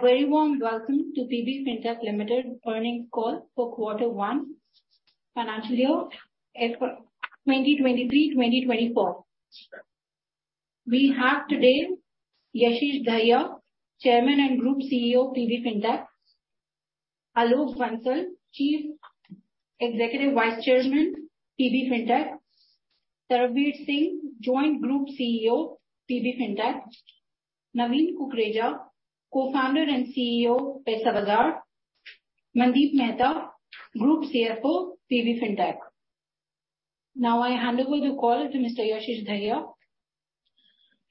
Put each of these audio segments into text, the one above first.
A very warm welcome to PB Fintech Limited earnings call for quarter one, financial year FY 2023-2024. We have today, Yashish Dahiya, Chairman and Group CEO, PB Fintech. Alok Bansal, Chief Executive Vice Chairman, PB Fintech. Sarbvir Singh, Joint Group CEO, PB Fintech. Naveen Kukreja, Co-founder and CEO, Paisabazaar. Mandeep Mehta, Group CFO, PB Fintech. Now I hand over the call to Mr. Yashish Dahiya.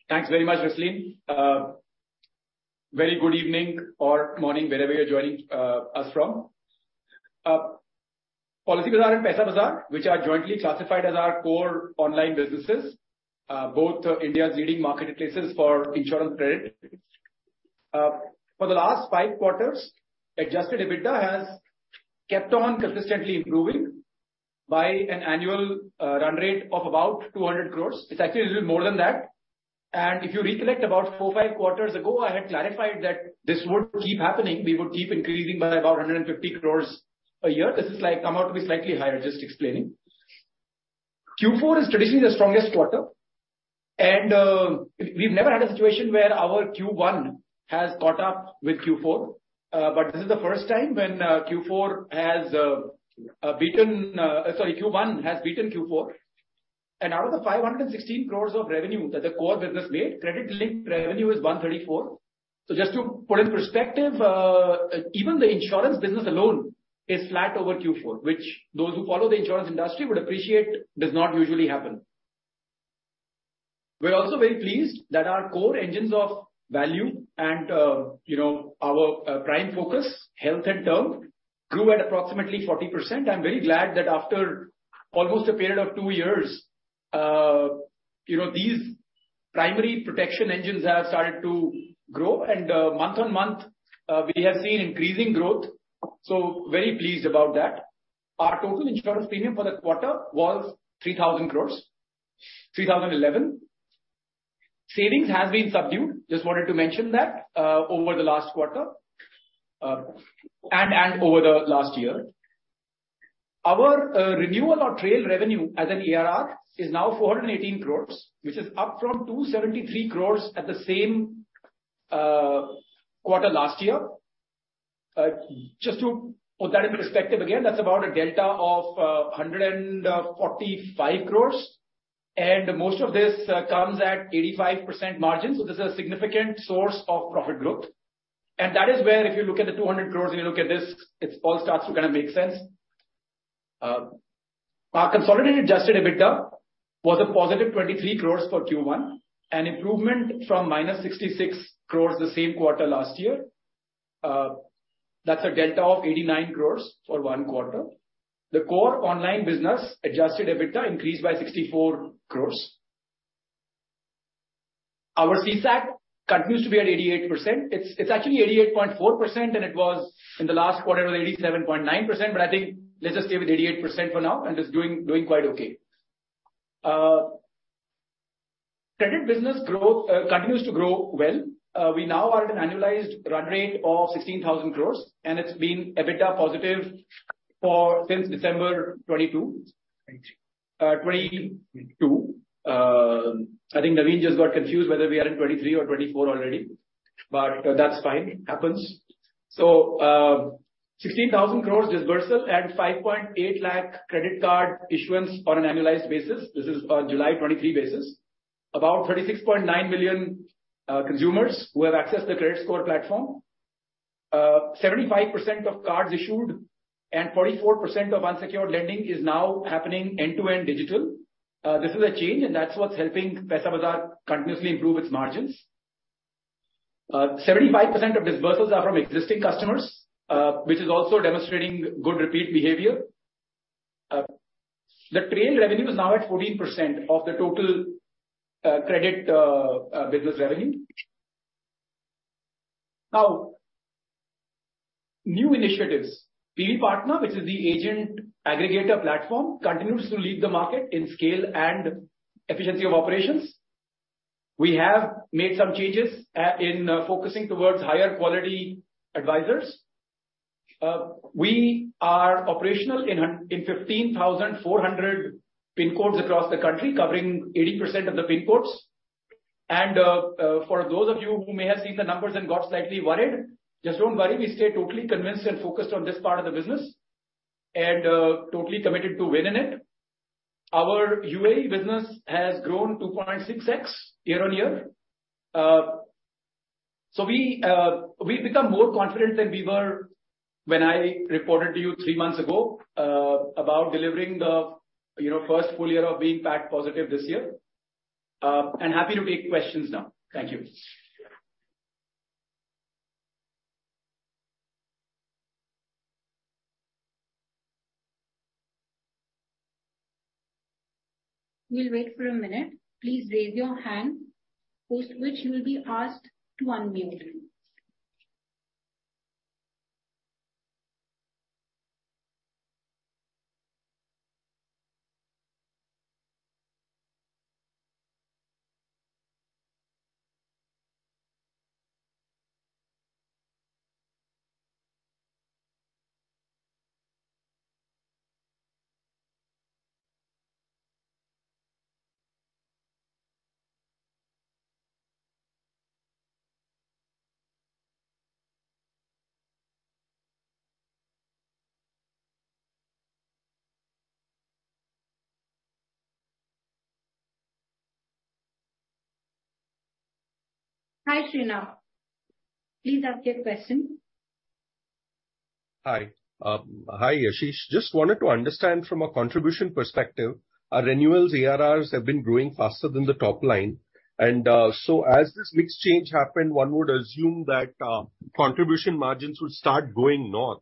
Thanks very much, Vaslin. Very good evening or morning, wherever you're joining us from. Policybazaar and Paisabazaar, which are jointly classified as our core online businesses, both India's leading marketplaces for insurance credit. For the last 5 quarters, adjusted EBITDA has kept on consistently improving by an annual run rate of about 200 crore. It's actually a little more than that. If you recollect, about 4, 5 quarters ago, I had clarified that this would keep happening. We would keep increasing by about 150 crore a year. This has, like, come out to be slightly higher, just explaining. Q4 is traditionally the strongest quarter, and we've never had a situation where our Q1 has caught up with Q4. This is the first time when Q4 has beaten. Sorry, Q1 has beaten Q4. Out of the 516 crore of revenue that the core business made, credit linked revenue is 134. Just to put in perspective, even the insurance business alone is flat over Q4, which those who follow the insurance industry would appreciate, does not usually happen. We're also very pleased that our core engines of value and, you know, our prime focus, health and term, grew at approximately 40%. I'm very glad that after almost a period of 2 years, you know, these primary protection engines have started to grow, and, month-on-month, we have seen increasing growth. Very pleased about that. Our total insurance premium for the quarter was 3,000 crore, 3,011. Savings has been subdued, just wanted to mention that, over the last quarter, and over the last year. Our renewal or trail revenue as an ARR is now 418 crore, which is up from 273 crore at the same quarter last year. Just to put that into perspective, again, that's about a delta of 145 crore, and most of this comes at 85% margin, this is a significant source of profit growth. That is where if you look at the 200 crore and you look at this, it all starts to kind of make sense. Our consolidated adjusted EBITDA was a positive 23 crore for Q1, an improvement from -66 crore the same quarter last year. That's a delta of 89 crore for one quarter. The core online business adjusted EBITDA increased by 64 crore. Our CSAC continues to be at 88%. It's actually 88.4%, and it was, in the last quarter, was 87.9%, but I think let's just stay with 88% for now, and it's doing quite okay. Credit business growth continues to grow well. We now are at an annualized run rate of 16,000 crore, and it's been EBITDA positive since December 2022. I think Naveen just got confused whether we are in 2023 or 2024 already, but that's fine. It happens. 16,000 crore dispersal at 5.8 lakh credit card issuance on an annualized basis. This is a July 2023 basis. About 36.9 million consumers who have accessed the credit score platform. 75% of cards issued and 44% of unsecured lending is now happening end-to-end digital. This is a change, and that's what's helping Paisabazaar continuously improve its margins. 75% of disbursements are from existing customers, which is also demonstrating good repeat behavior. The trail revenue is now at 14% of the total credit business revenue. Now, new initiatives. PB Partners, which is the agent aggregator platform, continues to lead the market in scale and efficiency of operations. We have made some changes in focusing towards higher quality advisors. We are operational in 15,400 PIN codes across the country, covering 80% of the PIN codes. For those of you who may have seen the numbers and got slightly worried, just don't worry, we stay totally convinced and focused on this part of the business and totally committed to winning it. Our UAE business has grown 2.6x year-on-year. We've become more confident than we were when I reported to you 3 months ago about delivering the, you know, first full year of being PAT positive this year. Happy to take questions now. Thank you. We'll wait for a minute. Please raise your hand, post which you will be asked to unmute. ... Hi, Srinath. Please ask your question. Hi. Hi, Yashish. Just wanted to understand from a contribution perspective, our renewals ARR have been growing faster than the top line, as this mix change happened, one would assume that contribution margins would start going north.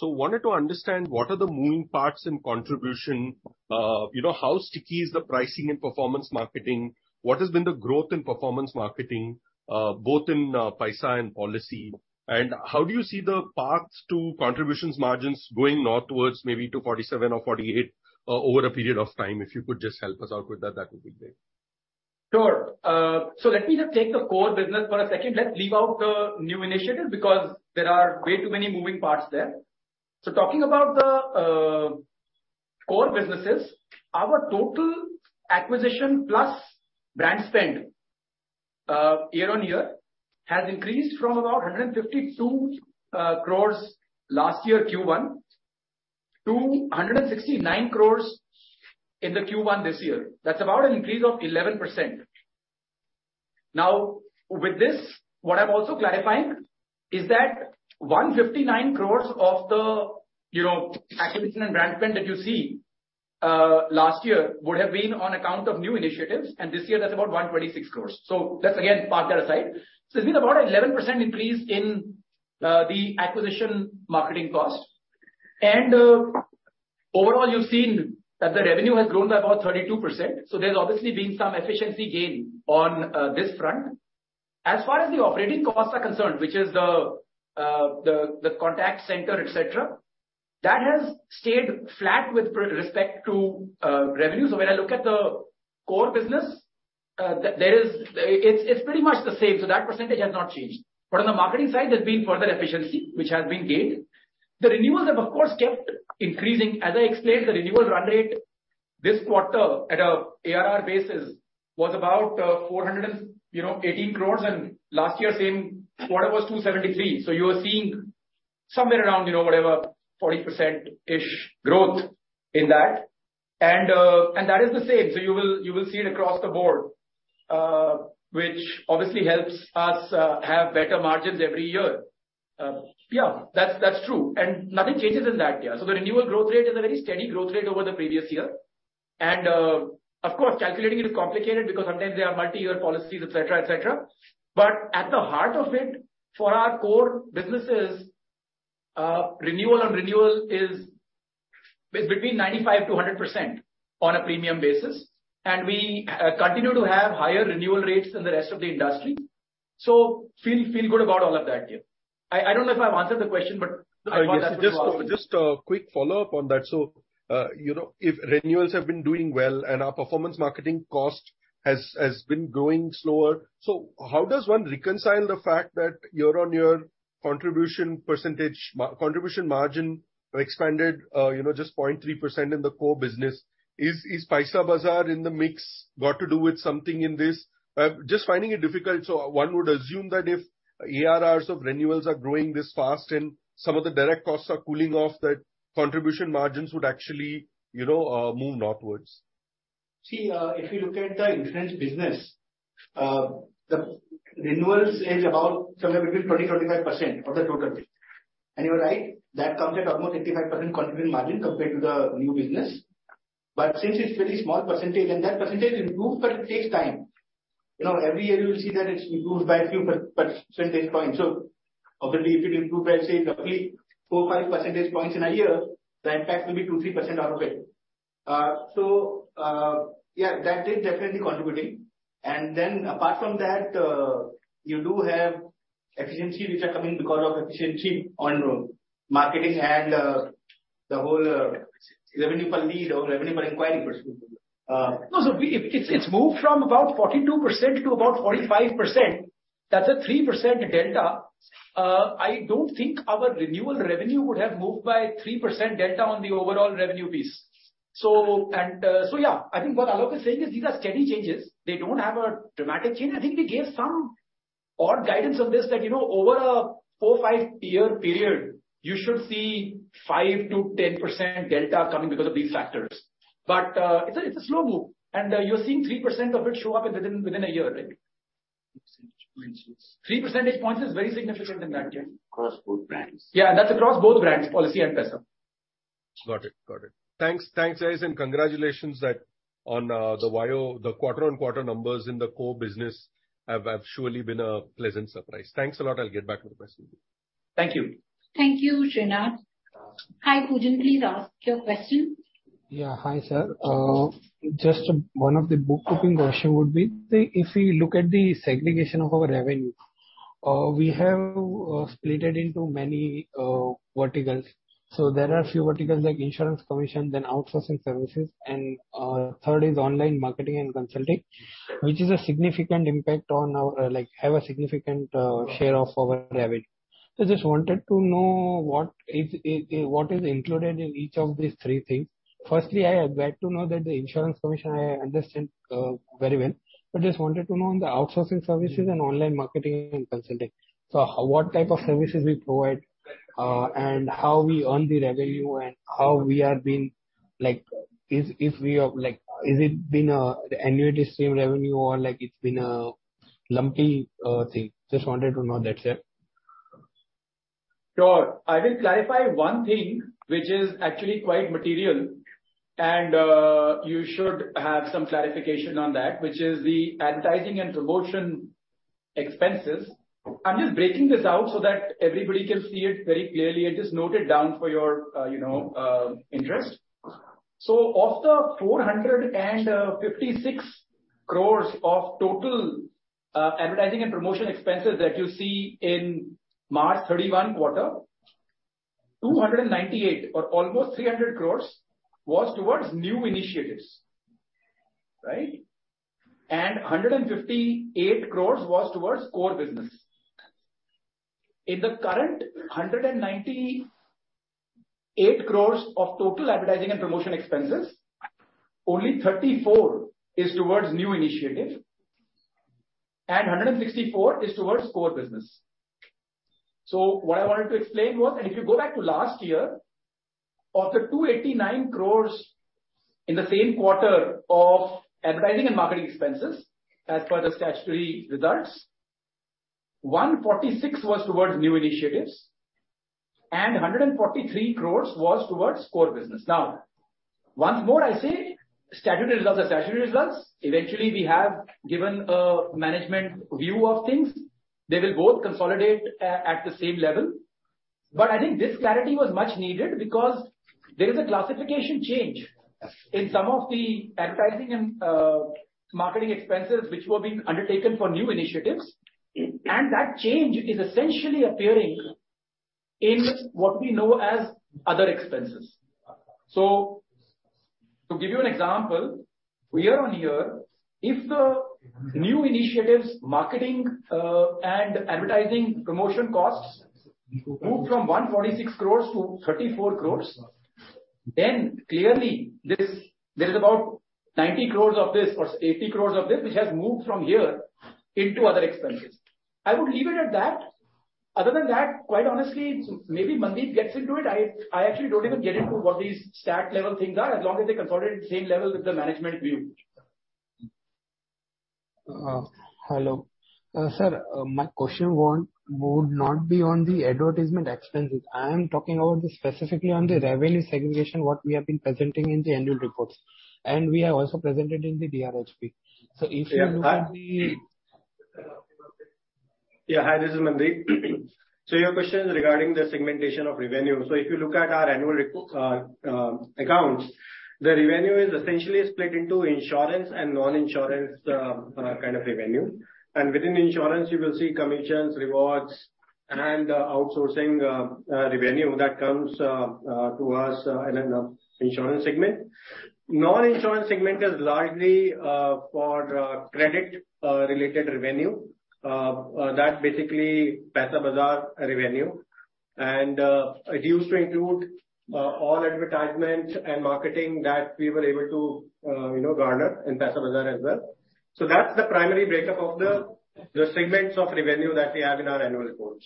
Wanted to understand, what are the moving parts in contribution? You know, how sticky is the pricing and performance marketing? What has been the growth in performance marketing, both in Paisa and Policy? How do you see the path to contributions margins going north towards maybe to 47 or 48, over a period of time? If you could just help us out with that, that would be great. Sure. Let me just take the core business for a second. Let's leave out the new initiatives, because there are way too many moving parts there. Talking about the core businesses, our total acquisition plus brand spend, year-on-year, has increased from about 152 crore last year, Q1, to 169 crore in the Q1 this year. That's about an increase of 11%. With this, what I'm also clarifying is that 159 crore of the, you know, acquisition and brand spend that you see last year, would have been on account of new initiatives, and this year that's about 126 crore. Let's again park that aside. It's been about 11% increase in the acquisition marketing cost. Overall, you've seen that the revenue has grown by about 32%, so there's obviously been some efficiency gain on this front. As far as the operating costs are concerned, which is the contact center, et cetera, that has stayed flat with respect to revenue. When I look at the core business, there is... It's pretty much the same, so that percentage has not changed. On the marketing side, there's been further efficiency, which has been gained. The renewals have, of course, kept increasing. As I explained, the renewal run rate this quarter at a ARR basis was about 418 crore, and last year, same quarter was 273 crore. You are seeing somewhere around, whatever, 40%-ish growth in that. That is the same, so you will, you will see it across the board, which obviously helps us, have better margins every year. Yeah, that's, that's true, and nothing changes in that year. The renewal growth rate is a very steady growth rate over the previous year. Of course, calculating it is complicated, because sometimes there are multi-year policies, et cetera, et cetera. At the heart of it, for our core businesses, renewal on renewal is between 95%-100% on a premium basis, and we, continue to have higher renewal rates than the rest of the industry. Feel, feel good about all of that, yeah. I, I don't know if I've answered the question, but. Yes. Just, just a quick follow-up on that. You know, if renewals have been doing well and our performance marketing cost has, has been growing slower, so how does one reconcile the fact that year-on-year contribution percentage, ma- contribution margin expanded, you know, just 0.3% in the core business? Is, is Paisabazaar in the mix, got to do with something in this? Just finding it difficult. One would assume that if ARRs of renewals are growing this fast and some of the direct costs are cooling off, that contribution margins would actually, you know, move northwards. See, if you look at the insurance business, the renewals is about somewhere between 20%-35% of the total business. You're right, that comes at almost 85% contribution margin compared to the new business. Since it's very small percentage, and that percentage improves, but it takes time. You know, every year you will see that it's improved by a few percentage points. Obviously, if it improves by, say, roughly 4-5 percentage points in a year, the impact will be 2%-3% out of it. Yeah, that is definitely contributing. Apart from that, you do have efficiency, which are coming because of efficiency on marketing and the whole revenue per lead or revenue per inquiry perspective. No, we, it, it's moved from about 42% to about 45%. That's a 3% delta. I don't think our renewal revenue would have moved by 3% delta on the overall revenue piece. Yeah, I think what Alok is saying is these are steady changes. They don't have a dramatic change. I think we gave some odd guidance on this, that, you know, over a 4-5 year period, you should see 5%-10% delta coming because of these factors. It's a, it's a slow move, and, you're seeing 3% of it show up within, within a year, right? Three percentage points. Three percentage points is very significant in that, yeah. Across both brands. Yeah, that's across both brands, Policy and Paisa. Got it. Got it. Thanks, thanks, guys, and congratulations that on, the Y-o, the quarter-on-quarter numbers in the core business have, have surely been a pleasant surprise. Thanks a lot. I'll get back to the question. Thank you. Thank you, Srinath. Hi, Pujen, please ask your question. Yeah, hi, sir. Just one of the bookkeeping question would be, that if we look at the segregation of our revenue. We have splitted into many verticals. There are a few verticals like insurance commission, then outsourcing services, and third is online marketing and consulting, which is a significant impact on our, like, have a significant share of our revenue. I just wanted to know what is, what is included in each of these three things. Firstly, I would like to know that the insurance commission, I understand very well, but just wanted to know on the outsourcing services and online marketing and consulting. What type of services we provide, and how we earn the revenue and how we are being like, if, if we are like, has it been an annuity stream revenue or like it's been a lumpy thing? Just wanted to know that, sir. Sure. I will clarify one thing which is actually quite material, and you should have some clarification on that, which is the advertising and promotion expenses. I'm just breaking this out so that everybody can see it very clearly and just note it down for your, you know, interest. Of the 456 crore of total advertising and promotion expenses that you see in March 31 quarter, 298 crore or almost 300 crore was towards new initiatives, right? 158 crore was towards core business. In the current 198 crore of total advertising and promotion expenses, only 34 is towards new initiative and 164 is towards core business. What I wanted to explain was, and if you go back to last year, of the 289 crore in the same quarter of advertising and marketing expenses, as per the statutory results, 146 was towards new initiatives and 143 crore was towards core business. Once more, I say statutory results are statutory results. Eventually, we have given a management view of things. They will both consolidate at the same level. I think this clarity was much needed because there is a classification change in some of the advertising and marketing expenses which were being undertaken for new initiatives, and that change is essentially appearing in what we know as other expenses. To give you an example, year-on-year, if the new initiatives, marketing, and advertising promotion costs moved from 146 crore to 34 crore, clearly there is about 90 crore of this or 80 crore of this, which has moved from here into other expenses. I would leave it at that. Other than that, quite honestly, maybe Mandeep gets into it. I actually don't even get into what these stat level things are, as long as they consolidate at the same level with the management view. Hello. Sir, my question won't, would not be on the advertisement expenses. I am talking about specifically on the revenue segregation, what we have been presenting in the annual reports, and we have also presented in the DRHP. If you look at the- Yeah. Hi, this is Mandeep. Your question is regarding the segmentation of revenue. If you look at our annual repo accounts, the revenue is essentially split into insurance and non-insurance kind of revenue. Within insurance, you will see commissions, rewards and outsourcing revenue that comes to us in an insurance segment. Non-insurance segment is largely for credit related revenue, that's basically PaisaBazaar revenue. It used to include all advertisement and marketing that we were able to, you know, garner in PaisaBazaar as well. That's the primary breakup of the segments of revenue that we have in our annual reports.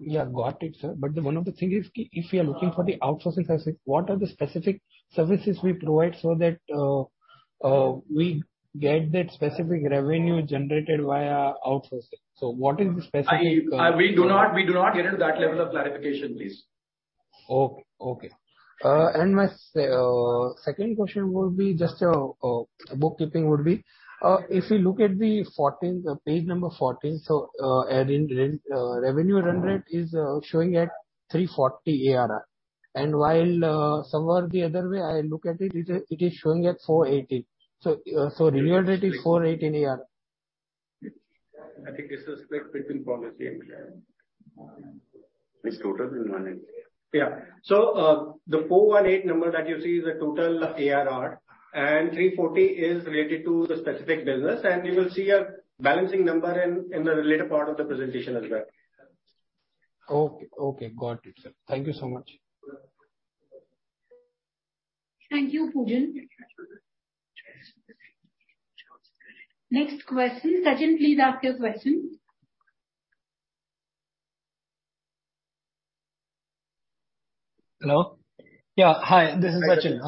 Yeah, got it, sir. One of the things is, if we are looking for the outsourcing services, what are the specific services we provide so that we get that specific revenue generated via outsourcing? What is the specific? We do not, we do not get into that level of clarification, please. ond question would be just bookkeeping. If you look at page number 14, our renewal or trail revenue as an ARR is showing at 340. While somewhere the other way I look at it, it is showing at 480. So, revenue rate is 480 ARR. I think there's a split between policy and... It's total in 18. Yeah. the 418 number that you see is a total ARR, and 340 is related to the specific business, and you will see a balancing number in the later part of the presentation as well. Okay, okay. Got it, sir. Thank you so much. Thank you, Pujen. Next question. Sachin, please ask your question. Hello? Yeah, hi, this is Sachin.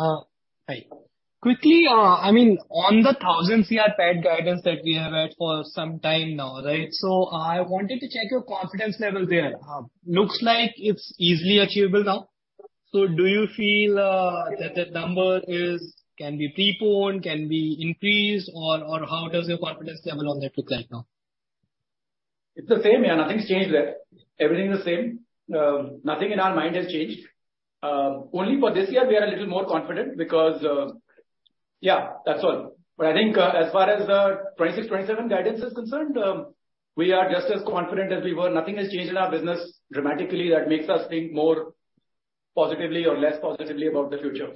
Quickly, I mean, on the 1,000 crore PAT guidance that we have had for some time now, right? I wanted to check your confidence level there. Looks like it's easily achievable now. Do you feel that number is, can be postponed, can be increased, or how does your confidence level on that look like now?... It's the same, yeah, nothing's changed there. Everything is the same. nothing in our mind has changed. only for this year we are a little more confident because, yeah, that's all. I think, as far as the 2026-2027 guidance is concerned, we are just as confident as we were. Nothing has changed in our business dramatically that makes us think more positively or less positively about the future,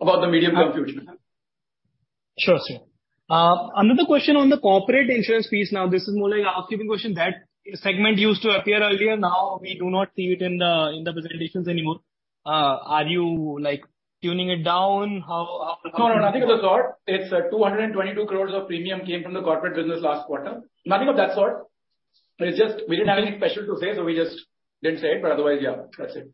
about the medium-term future. Sure, sir. Another question on the corporate insurance piece. Now, this is more like a housekeeping question. That segment used to appear earlier, now we do not see it in the, in the presentations anymore. Are you, like, tuning it down? How, how- No, no, nothing of the sort. It's 222 crore of premium came from the corporate business last quarter. Nothing of that sort. It's just we didn't have anything special to say, so we just didn't say it, otherwise, yeah, that's it.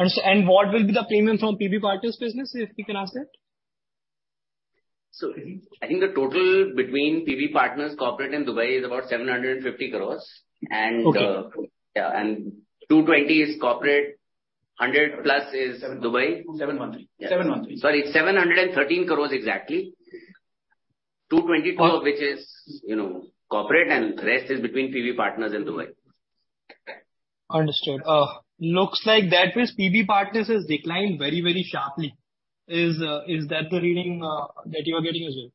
Understood. What will be the premium from PB Partners business, if we can ask that? I think the total between PB Partners corporate and Dubai is about 750 crore. Okay. Yeah, and 220 is corporate, 100+ is- Seven. Dubai. 713. 713. Sorry, 713 crore exactly. 220 crore, which is, you know, corporate, and the rest is between PB Partners and Dubai. Understood. Looks like that means PB Partners has declined very, very sharply. Is that the reading that you are getting as well?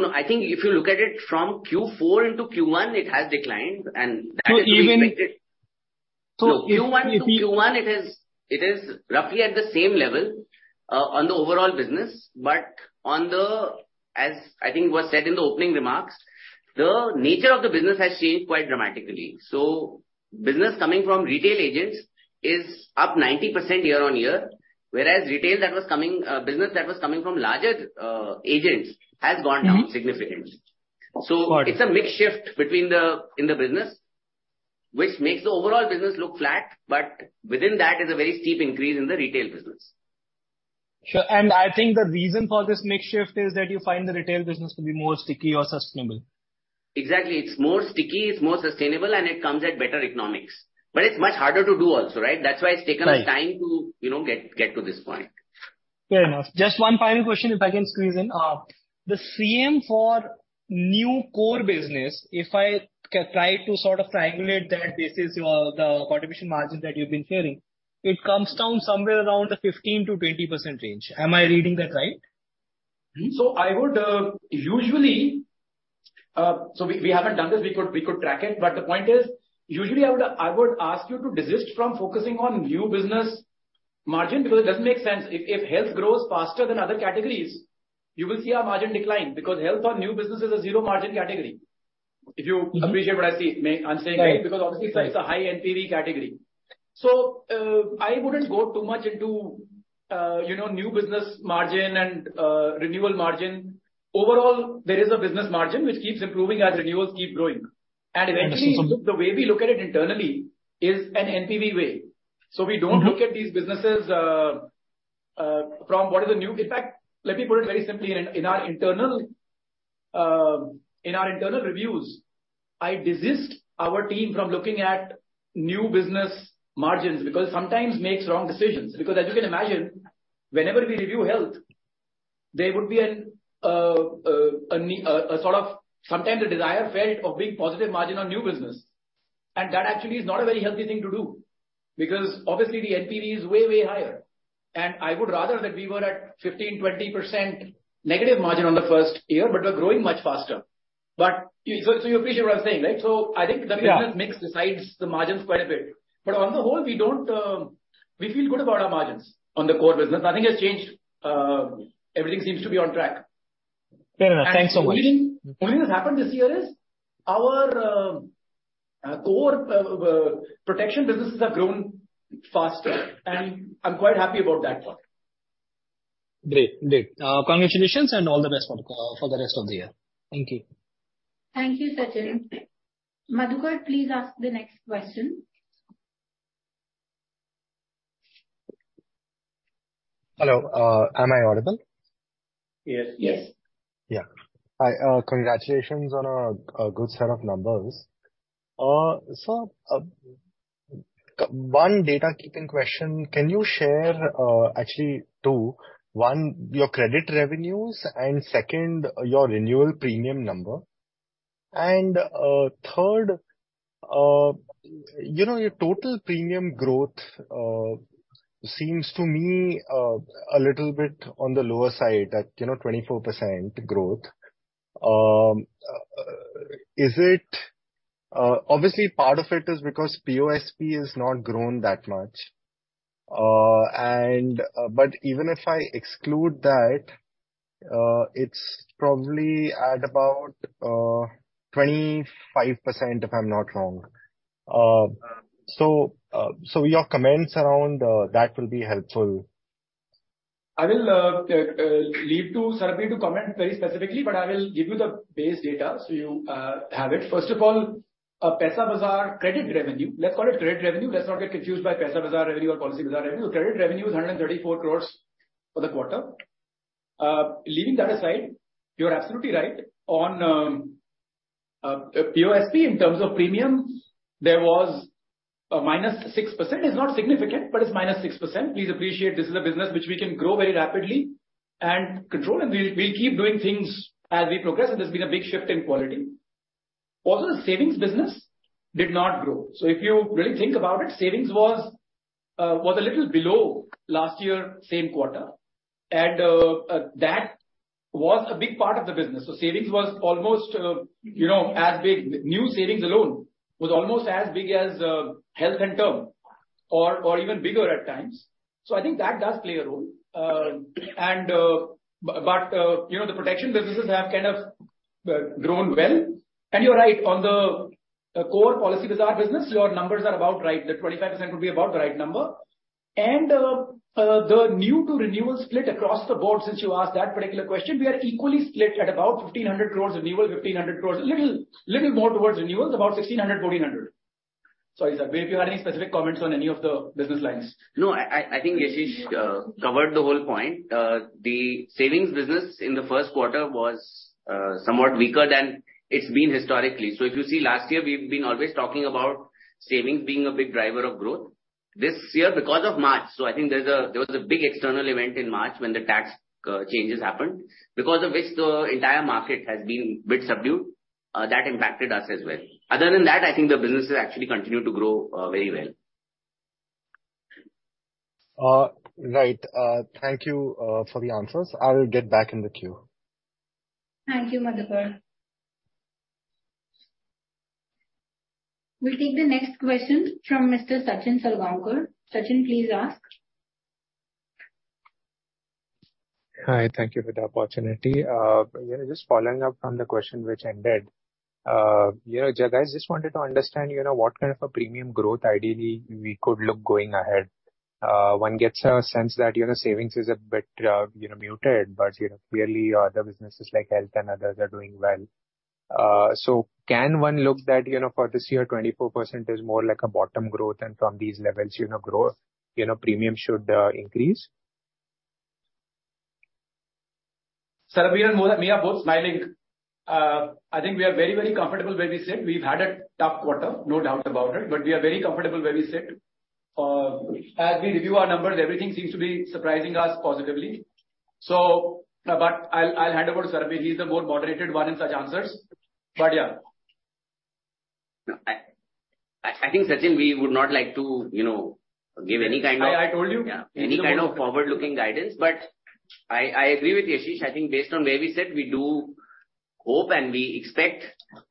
No, no. I think if you look at it from Q4 into Q1, it has declined, and that is to be expected. Even. Q1 to Q1, it is roughly at the same level on the overall business, but on the... as I think was said in the opening remarks, the nature of the business has changed quite dramatically. Business coming from retail agents is up 90% year-on-year, whereas retail that was coming, business that was coming from larger agents has gone down significantly. Mm-hmm. Got it. It's a mix shift between the, in the business, which makes the overall business look flat, but within that is a very steep increase in the retail business. Sure. I think the reason for this mix shift is that you find the retail business to be more sticky or sustainable. Exactly. It's more sticky, it's more sustainable, and it comes at better economics. It's much harder to do also, right? Right. That's why it's taken us time to, you know, get, get to this point. Fair enough. Just one final question, if I can squeeze in. The CM for new core business, if I can try to sort of triangulate that, this is your, the contribution margin that you've been sharing, it comes down somewhere around the 15%-20% range. Am I reading that right? I would, usually, we, we haven't done this. We could, we could track it. The point is, usually, I would, I would ask you to desist from focusing on new business margin. It doesn't make sense. If health grows faster than other categories, you will see our margin decline. Health on new business is a zero margin category. If you appreciate what I see, I'm saying. Right. Because obviously it's a high NPV category. I wouldn't go too much into, you know, new business margin and, renewal margin. Overall, there is a business margin which keeps improving as renewals keep growing. Understood, sir. Eventually, the way we look at it internally is an NPV way. Mm-hmm. We don't look at these businesses from what are the new... In fact, let me put it very simply, in, in our internal, in our internal reviews, I desist our team from looking at new business margins, because sometimes makes wrong decisions. Because as you can imagine, whenever we review health, there would be an a sort of, sometimes a desire felt of being positive margin on new business. That actually is not a very healthy thing to do, because obviously the NPV is way, way higher. I would rather that we were at 15%-20% negative margin on the first year, but we're growing much faster. You appreciate what I'm saying, right? Yeah. I think the business mix decides the margins quite a bit. On the whole, we don't, we feel good about our margins on the core business. Nothing has changed. Everything seems to be on track. Fair enough. Thanks so much. The only, the only thing that's happened this year is our core protection businesses have grown faster, and I'm quite happy about that part. Great. Great. Congratulations and all the best for the rest of the year. Thank you. Thank you, Sachin. Madhukar, please ask the next question. Hello, am I audible? Yes. Yes. Yeah. Hi, congratulations on a, a good set of numbers. One data keeping question, can you share, actually two, one, your credit revenues, and second, your renewal premium number? Third, you know, your total premium growth, seems to me, a little bit on the lower side at, you know, 24% growth. Is it obviously, part of it is because POSP has not grown that much? Even if I exclude that, it's probably at about, 25%, if I'm not wrong. So your comments around, that will be helpful. I will leave to Sarbvir to comment very specifically, but I will give you the base data, so you have it. First of all, Paisabazaar credit revenue, let's call it credit revenue. Let's not get confused by Paisabazaar revenue or Policybazaar revenue. Credit revenue is 134 crore for the quarter. Leaving that aside, you're absolutely right. On POSP, in terms of premium, A -6% is not significant, but it's -6%. Please appreciate this is a business which we can grow very rapidly and control, and we, we'll keep doing things as we progress, and there's been a big shift in quality. Also, the savings business did not grow. If you really think about it, savings was a little below last year, same quarter, that was a big part of the business. Savings was almost, you know, as big-- new savings alone was almost as big as health and term, or, or even bigger at times. I think that does play a role. You know, the protection businesses have kind of grown well. You're right, on the core Policybazaar business, your numbers are about right. The 25% would be about the right number. The new to renewal split across the board, since you asked that particular question, we are equally split at about 1,500 crore renewal, 1,500 crore, a little, little more towards renewals, about 1,600 crore, 1,400 crore. Sorry, Sarvesh, if you had any specific comments on any of the business lines. No, I think Yashish covered the whole point. The savings business in the first quarter was somewhat weaker than it's been historically. If you see last year, we've been always talking about savings being a big driver of growth. This year, because of March, I think there was a big external event in March when the tax changes happened, because of which the entire market has been bit subdued. That impacted us as well. Other than that, I think the businesses actually continue to grow very well. Right. Thank you for the answers. I will get back in the queue. Thank you, Madhukar. We'll take the next question from Mr. Sachin Salgaonkar. Sachin, please ask. Hi, thank you for the opportunity. Yeah, just following up on the question which ended. You know, guys, just wanted to understand, you know, what kind of a premium growth ideally we could look going ahead. One gets a sense that, you know, savings is a bit, you know, muted, but, you know, clearly other businesses like health and others are doing well. Can one look that, you know, for this year, 24% is more like a bottom growth, and from these levels, you know, growth, you know, premium should increase? Sarvesh and me are both smiling. I think we are very, very comfortable where we sit. We've had a tough quarter, no doubt about it, but we are very comfortable where we sit. As we review our numbers, everything seems to be surprising us positively. I'll, I'll hand over to Sarvesh. He's the more moderated one in such answers, but yeah. No, I think, Sachin, we would not like to, you know, give any kind of- I told you. Yeah, any kind of forward-looking guidance. I, I agree with Yashish. I think based on where we sit, we do hope and we expect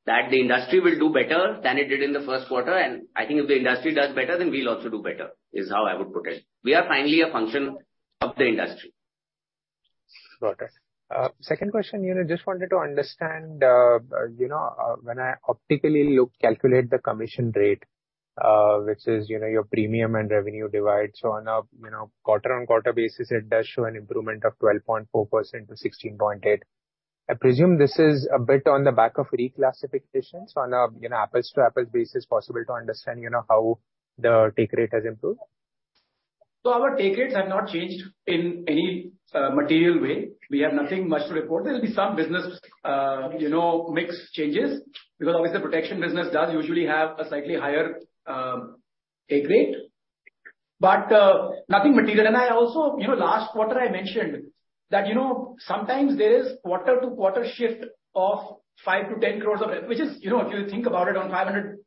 that the industry will do better than it did in the first quarter. I think if the industry does better, then we'll also do better, is how I would put it. We are finally a function of the industry. Got it. second question, you know, just wanted to understand, you know, when I optically look, calculate the commission rate, which is, you know, your premium and revenue divide. On a, you know, quarter-on-quarter basis, it does show an improvement of 12.4%-16.8%. I presume this is a bit on the back of reclassifications on a, you know, apples-to-apples basis, possible to understand, you know, how the take rate has improved? Our take rates have not changed in any material way. We have nothing much to report. There will be some business, you know, mix changes, because obviously protection business does usually have a slightly higher take rate, but nothing material. I also, you know, last quarter I mentioned that, you know, sometimes there is quarter-to-quarter shift of 5 crore-10 crore, of which is, you know, if you think about it, on 500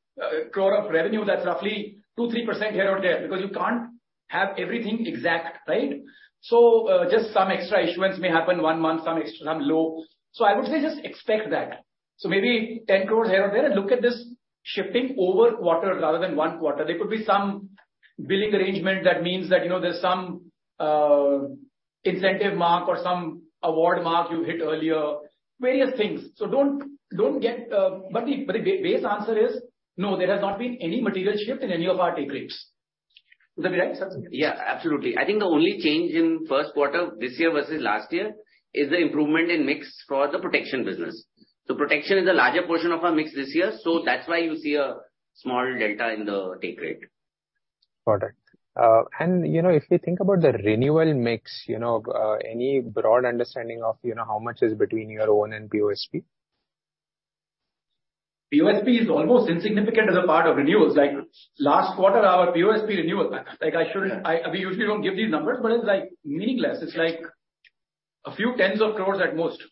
crore of revenue, that's roughly 2%-3% here or there, because you can't have everything exact, right? Just some extra issuance may happen one month, some extra, some low. I would say just expect that. Maybe 10 crore here or there, and look at this shifting over quarter rather than one quarter. There could be some billing arrangement that means that, you know, there's some incentive mark or some award mark you hit earlier, various things. Don't get. The base answer is no, there has not been any material shift in any of our take rates. Would that be right, Sarbvir? Yeah, absolutely. I think the only change in first quarter this year versus last year is the improvement in mix for the protection business. Protection is a larger portion of our mix this year, so that's why you see a small delta in the take rate. Got it. You know, if we think about the renewal mix, you know, any broad understanding of, you know, how much is between your own and POSP? POSP is almost insignificant as a part of renewals. Like, last quarter, our POSP renewal, like, I shouldn't-- I, we usually don't give these numbers, but it's, like, meaningless. It's, like, a few INR tens of crores at most.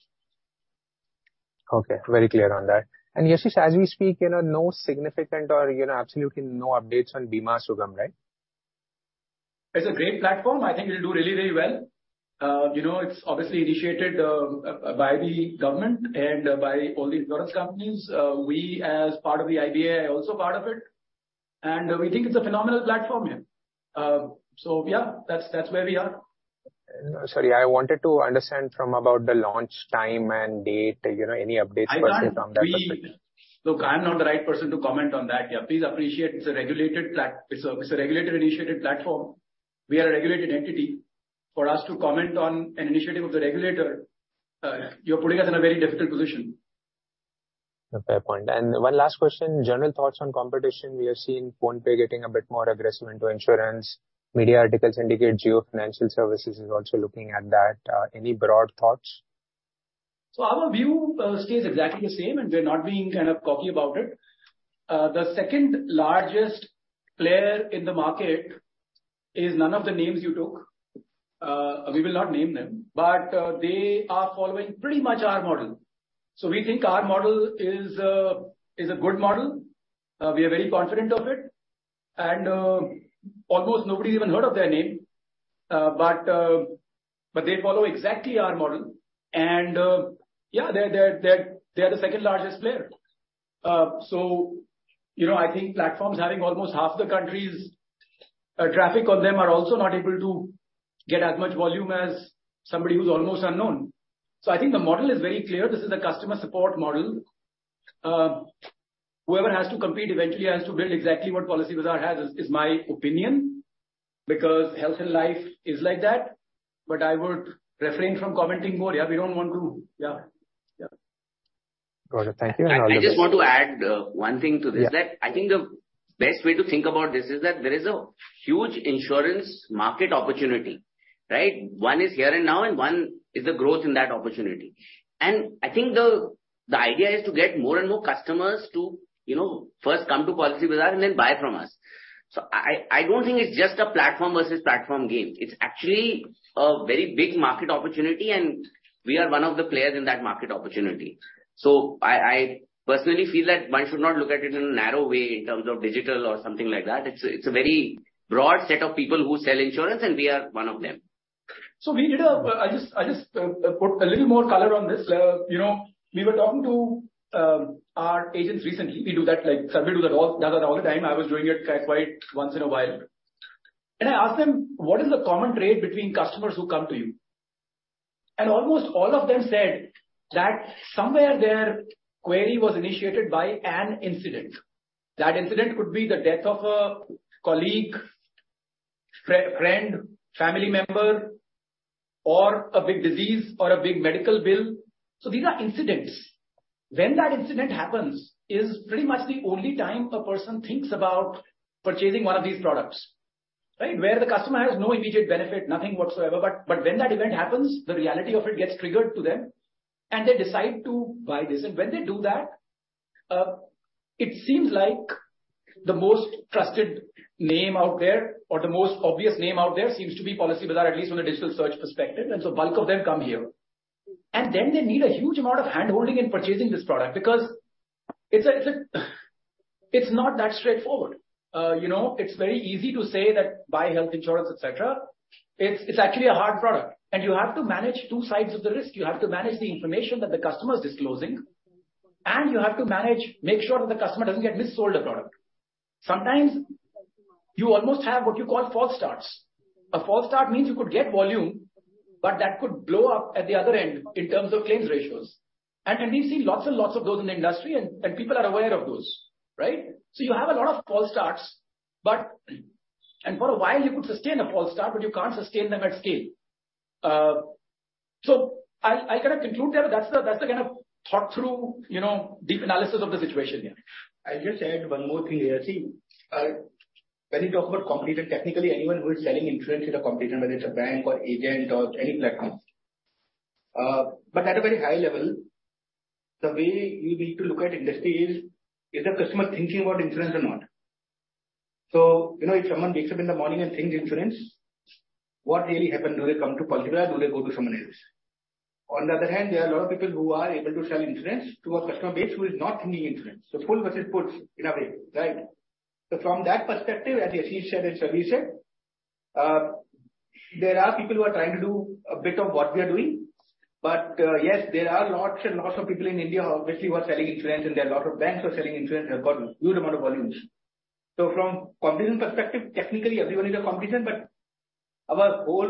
Okay, very clear on that. Yashish, as we speak, you know, no significant or, you know, absolutely no updates on Bima Sugam, right? It's a great platform. I think it'll do really, really well. You know, it's obviously initiated by the government and by all the insurance companies. We, as part of the IBA, are also part of it, and we think it's a phenomenal platform, yeah. Yeah, that's, that's where we are. Sorry, I wanted to understand from about the launch time and date, you know, any updates perhaps from that perspective? Look, I'm not the right person to comment on that, yeah. Please appreciate it's a regulated initiative platform. We are a regulated entity. For us to comment on an initiative of the regulator, you're putting us in a very difficult position. A fair point. One last question, general thoughts on competition? We have seen PhonePe getting a bit more aggressive into insurance. Media articles indicate Jio Financial Services is also looking at that. Any broad thoughts?... Our view stays exactly the same, and we're not being kind of cocky about it. The second largest player in the market is none of the names you took. We will not name them, but they are following pretty much our model. We think our model is a good model. We are very confident of it, and almost nobody's even heard of their name. But they follow exactly our model, and yeah, they're the second largest player. You know, I think platforms having almost half the country's traffic on them are also not able to get as much volume as somebody who's almost unknown. I think the model is very clear. This is a customer support model. Whoever has to compete eventually has to build exactly what Policybazaar has, is, is my opinion, because health and life is like that. I would refrain from commenting more. Yeah, we don't want to. Yeah. Yeah. Got it. Thank you- I just want to add, one thing to this. Yeah. I think the best way to think about this is that there is a huge insurance market opportunity, right? One is here and now, one is the growth in that opportunity. I think the, the idea is to get more and more customers to, you know, first come to Policybazaar and then buy from us. I, I don't think it's just a platform versus platform game. It's actually a very big market opportunity, and we are one of the players in that market opportunity. I, I personally feel that one should not look at it in a narrow way in terms of digital or something like that. It's a, it's a very broad set of people who sell insurance, and we are one of them. We did, I just, I just, put a little more color on this. You know, we were talking to, our agents recently. We do that, like, Sarvesh do that all, does that all the time. I was doing it quite once in a while. I asked them: "What is the common trait between customers who come to you?" Almost all of them said that somewhere their query was initiated by an incident. That incident could be the death of a colleague, friend, friend, family member, or a big disease, or a big medical bill. These are incidents. When that incident happens is pretty much the only time a person thinks about purchasing one of these products, right? Where the customer has no immediate benefit, nothing whatsoever, but when that event happens, the reality of it gets triggered to them, and they decide to buy this. When they do that, it seems like the most trusted name out there, or the most obvious name out there seems to be Policybazaar, at least from a digital search perspective, and so bulk of them come here. Then they need a huge amount of hand-holding in purchasing this product, because it's not that straightforward. You know, it's very easy to say that buy health insurance, et cetera. It's actually a hard product, and you have to manage two sides of the risk. You have to manage the information that the customer is disclosing, and you have to manage, make sure that the customer doesn't get mis-sold a product. Sometimes you almost have what you call false starts. A false start means you could get volume, but that could blow up at the other end in terms of claims ratios. We've seen lots and lots of those in the industry, and, and people are aware of those, right? You have a lot of false starts, but. For a while, you could sustain a false start, but you can't sustain them at scale. I, I kind of conclude there, that's the, that's the kind of thought through, you know, deep analysis of the situation here. I'll just add one more thing here. See, when you talk about competition, technically anyone who is selling insurance is a competition, whether it's a bank or agent or any platform. At a very high level, the way we need to look at industry is, is the customer thinking about insurance or not? So, you know, if someone wakes up in the morning and thinks insurance, what really happened? Do they come to Policybazaar or do they go to someone else? On the other hand, there are a lot of people who are able to sell insurance to a customer base who is not thinking insurance. So pulls versus pushes in a way, right? From that perspective, as Yashish said and Sarvesh said, there are people who are trying to do a bit of what we are doing, but, yes, there are lots and lots of people in India obviously, who are selling insurance, and there are a lot of banks who are selling insurance, have got huge amount of volumes. From competition perspective, technically everyone is a competition, but our whole,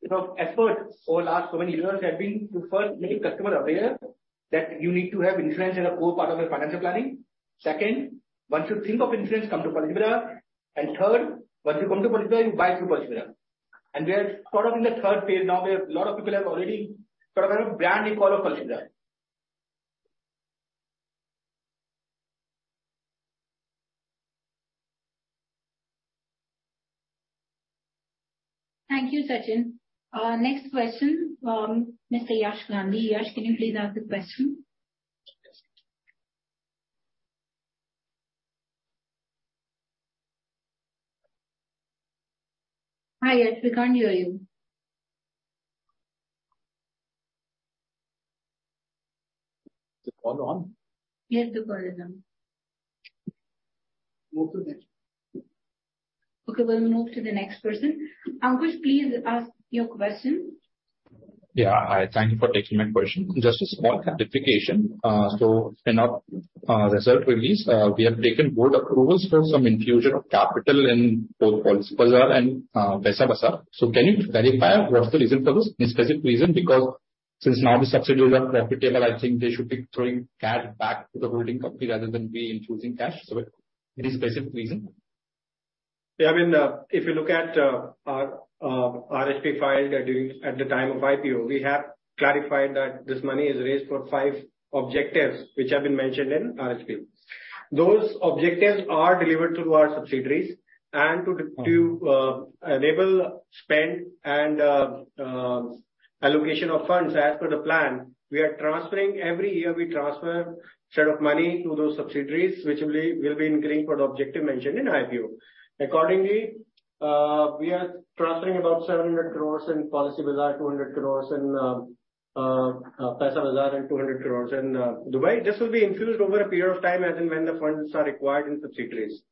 you know, effort over last so many years has been to first make customer aware that you need to have insurance as a core part of your financial planning. Second, once you think of insurance, come to Policybazaar. Third, once you come to Policybazaar, you buy through Policybazaar. We are sort of in the third phase now, where a lot of people have already sort of have a brand recall of Policybazaar. Thank you, Sachin. Next question, Mr. Yash Nandi. Yash, can you please ask the question? Hi, Yash, we can't hear you. Is the call on? Yes, the call is on. Move to next. Okay, we'll move to the next person. Ankush, please ask your question. Yeah. Thank you for taking my question. Just a small clarification. In our result release, we have taken board approvals for some infusion of capital in both Policybazaar and Paisabazaar. Can you verify what's the reason for this? Any specific reason? Because since now the subsidiaries are profitable, I think they should be throwing cash back to the holding company rather than we infusing cash. Any specific reason? Yeah, I mean, if you look at our RHP file during, at the time of IPO, we have clarified that this money is raised for five objectives, which have been mentioned in RHP. Those objectives are delivered through our subsidiaries and to enable spend and allocation of funds as per the plan, we are transferring, every year we transfer set of money to those subsidiaries, which will be incurring for the objective mentioned in IPO. Accordingly, we are transferring about 700 crore in Policybazaar, 200 crore in Paisabazaar and 200 crore in Dubai. This will be infused over a period of time, as and when the funds are required in subsidiaries.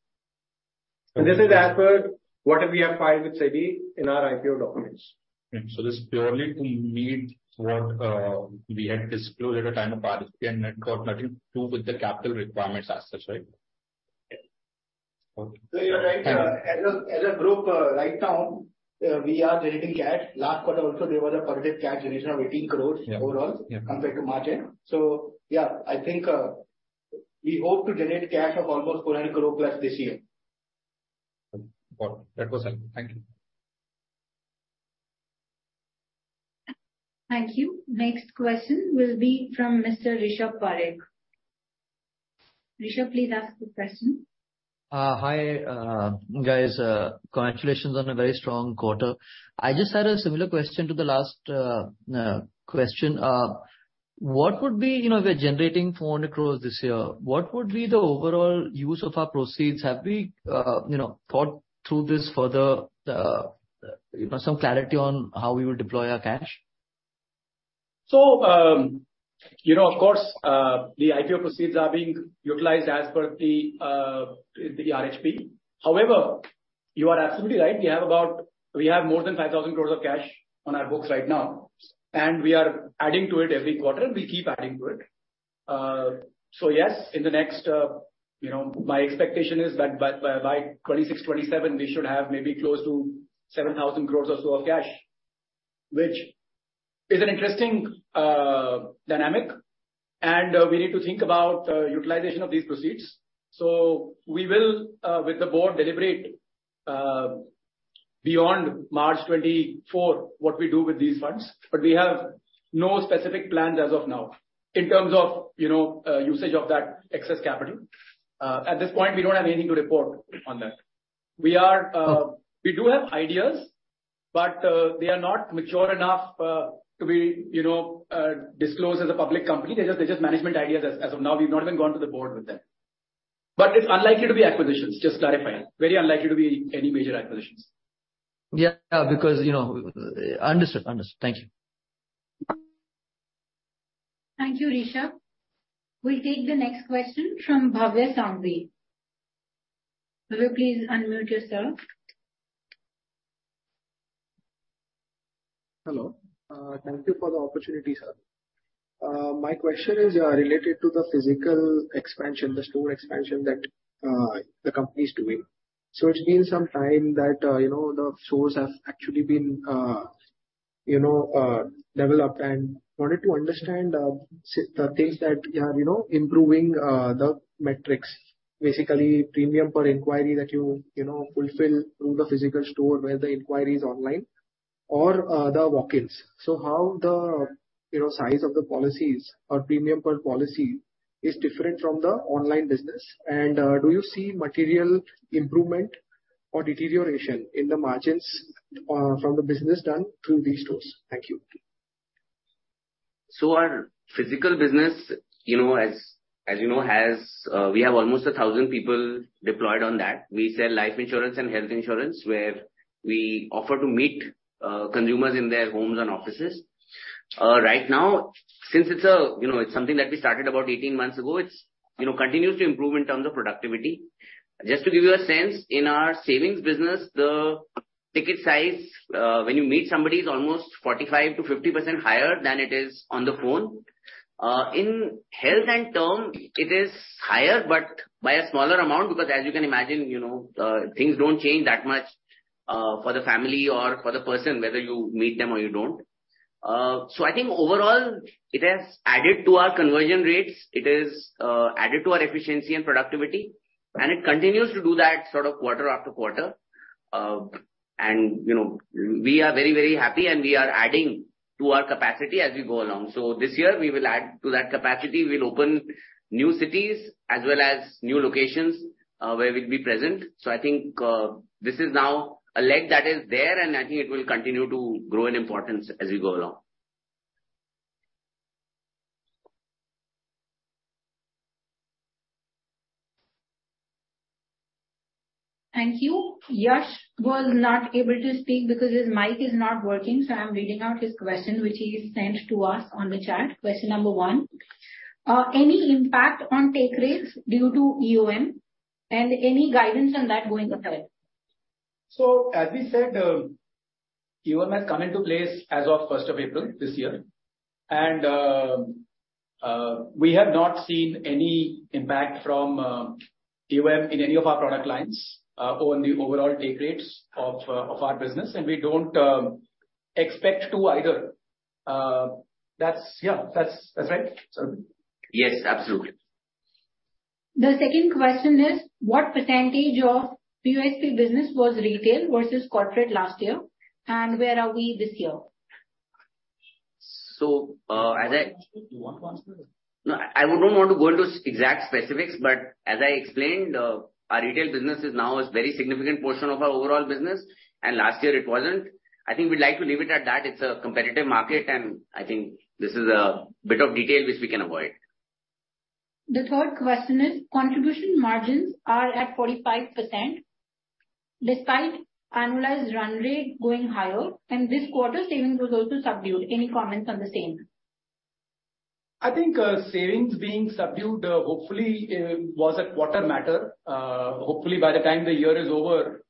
This is as per what we have filed with SEBI in our IPO documents. Okay. This is purely to meet what we had disclosed at the time of RHP and had got nothing to do with the capital requirements as such, right? Yeah. Okay. You're right. As a group, right now, we are generating cash. Last quarter also there was a positive cash generation of 18 crore. Yeah. -overall- Yeah. -compared to margin. Yeah, I think, we hope to generate cash of almost 400+ crore this year. Got it. That was helpful. Thank you. Thank you. Next question will be from Mr. Rishabh Parekh. Rishabh, please ask the question. Hi, guys, congratulations on a very strong quarter. I just had a similar question to the last question. What would be... You know, we are generating 400 crore this year, what would be the overall use of our proceeds? Have we, you know, thought through this further, you know, some clarity on how we will deploy our cash? You know, of course, the IPO proceeds are being utilized as per the RHP. However, you are absolutely right. We have more than 5,000 crore of cash on our books right now, and we are adding to it every quarter, and we keep adding to it. Yes, in the next, you know, my expectation is that by 2026, 2027, we should have maybe close to 7,000 crore or so of cash, which is an interesting dynamic, and we need to think about utilization of these proceeds. We will, with the board, deliberate beyond March 2024, what we do with these funds, but we have no specific plans as of now, in terms of, you know, usage of that excess capital. At this point, we don't have anything to report on that. We are, we do have ideas, but they are not mature enough to be, you know, disclosed as a public company. They're just, they're just management ideas as of now. We've not even gone to the board with them. It's unlikely to be acquisitions, just clarifying. Very unlikely to be any major acquisitions. Yeah, because, you know. Understood. Understood. Thank you. Thank you, Rishabh. We'll take the next question from Bhavya Sanghi. Bhavya, please unmute yourself. Hello, thank you for the opportunity, sir. My question is related to the physical expansion, the store expansion that the company is doing. It's been some time that, you know, the stores have actually been, you know, developed, and wanted to understand the things that are, you know, improving the metrics. Basically, premium per inquiry that you, you know, fulfill through the physical store, where the inquiry is online or the walk-ins. How the, you know, size of the policies or premium per policy is different from the online business? Do you see material improvement or deterioration in the margins from the business done through these stores? Thank you. Our physical business, you know, as, as you know, has, we have almost 1,000 people deployed on that. We sell life insurance and health insurance, where we offer to meet, consumers in their homes and offices. Right now, since it's a, you know, it's something that we started about 18 months ago, it's, you know, continues to improve in terms of productivity. Just to give you a sense, in our savings business, the ticket size, when you meet somebody, is almost 45%-50% higher than it is on the phone. In health and term, it is higher, but by a smaller amount, because as you can imagine, you know, things don't change that much, for the family or for the person, whether you meet them or you don't. I think overall, it has added to our conversion rates, it has added to our efficiency and productivity, and it continues to do that sort of quarter after quarter. You know, we are very, very happy, and we are adding to our capacity as we go along. This year we will add to that capacity. We'll open new cities as well as new locations where we'll be present. I think this is now a leg that is there, and I think it will continue to grow in importance as we go along. Thank you. Yash was not able to speak because his mic is not working, so I'm reading out his question, which he sent to us on the chat. Question number one, any impact on take rates due to EOM, and any guidance on that going ahead? As we said, EOM has come into place as of 1st of April this year. We have not seen any impact from EOM in any of our product lines, on the overall take rates of our business. We don't expect to either. That's... Yeah, that's, that's right, sir? Yes, absolutely. The second question is, what % of POSP business was retail versus corporate last year, and where are we this year?... You want one specific? No, I, I would not want to go into exact specifics, but as I explained, our retail business is now a very significant portion of our overall business, and last year it wasn't. I think we'd like to leave it at that. It's a competitive market, and I think this is a bit of detail which we can avoid. The third question is, contribution margins are at 45% despite annualized run rate going higher, and this quarter's savings was also subdued. Any comments on the same? I think savings being subdued, hopefully, was a quarter matter. Hopefully, by the time the year is over,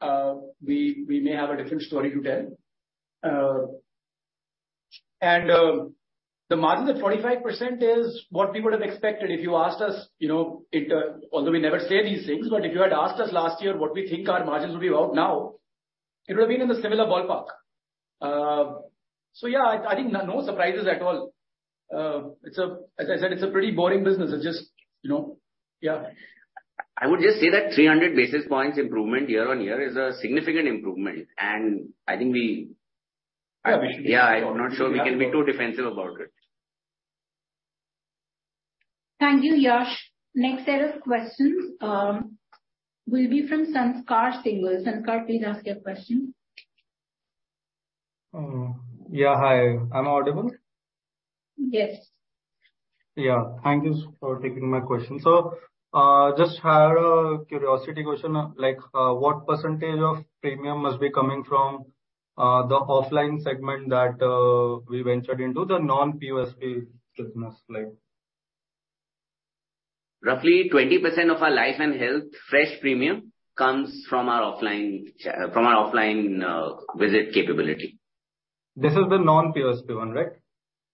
we, we may have a different story to tell. The margin at 45% is what we would have expected if you asked us, you know, it, although we never say these things, but if you had asked us last year what we think our margins will be about now, it would have been in a similar ballpark. Yeah, I, I think no surprises at all. As I said, it's a pretty boring business. It's just, you know, yeah. I would just say that 300 basis points improvement year-on-year is a significant improvement, and I think we-. Yeah, we should be. Yeah, I'm not sure we can be too defensive about it. Thank you, Yash. Next set of questions, will be from Sanskar Singhal. Sanskar, please ask your question. Yeah, hi. Am I audible? Yes. Yeah. Thank you for taking my question. Just had a curiosity question, like, what % of premium must be coming from the offline segment that we ventured into the non-POSP business like? Roughly 20% of our life and health fresh premium comes from our offline from our offline visit capability. This is the non-POSP one, right?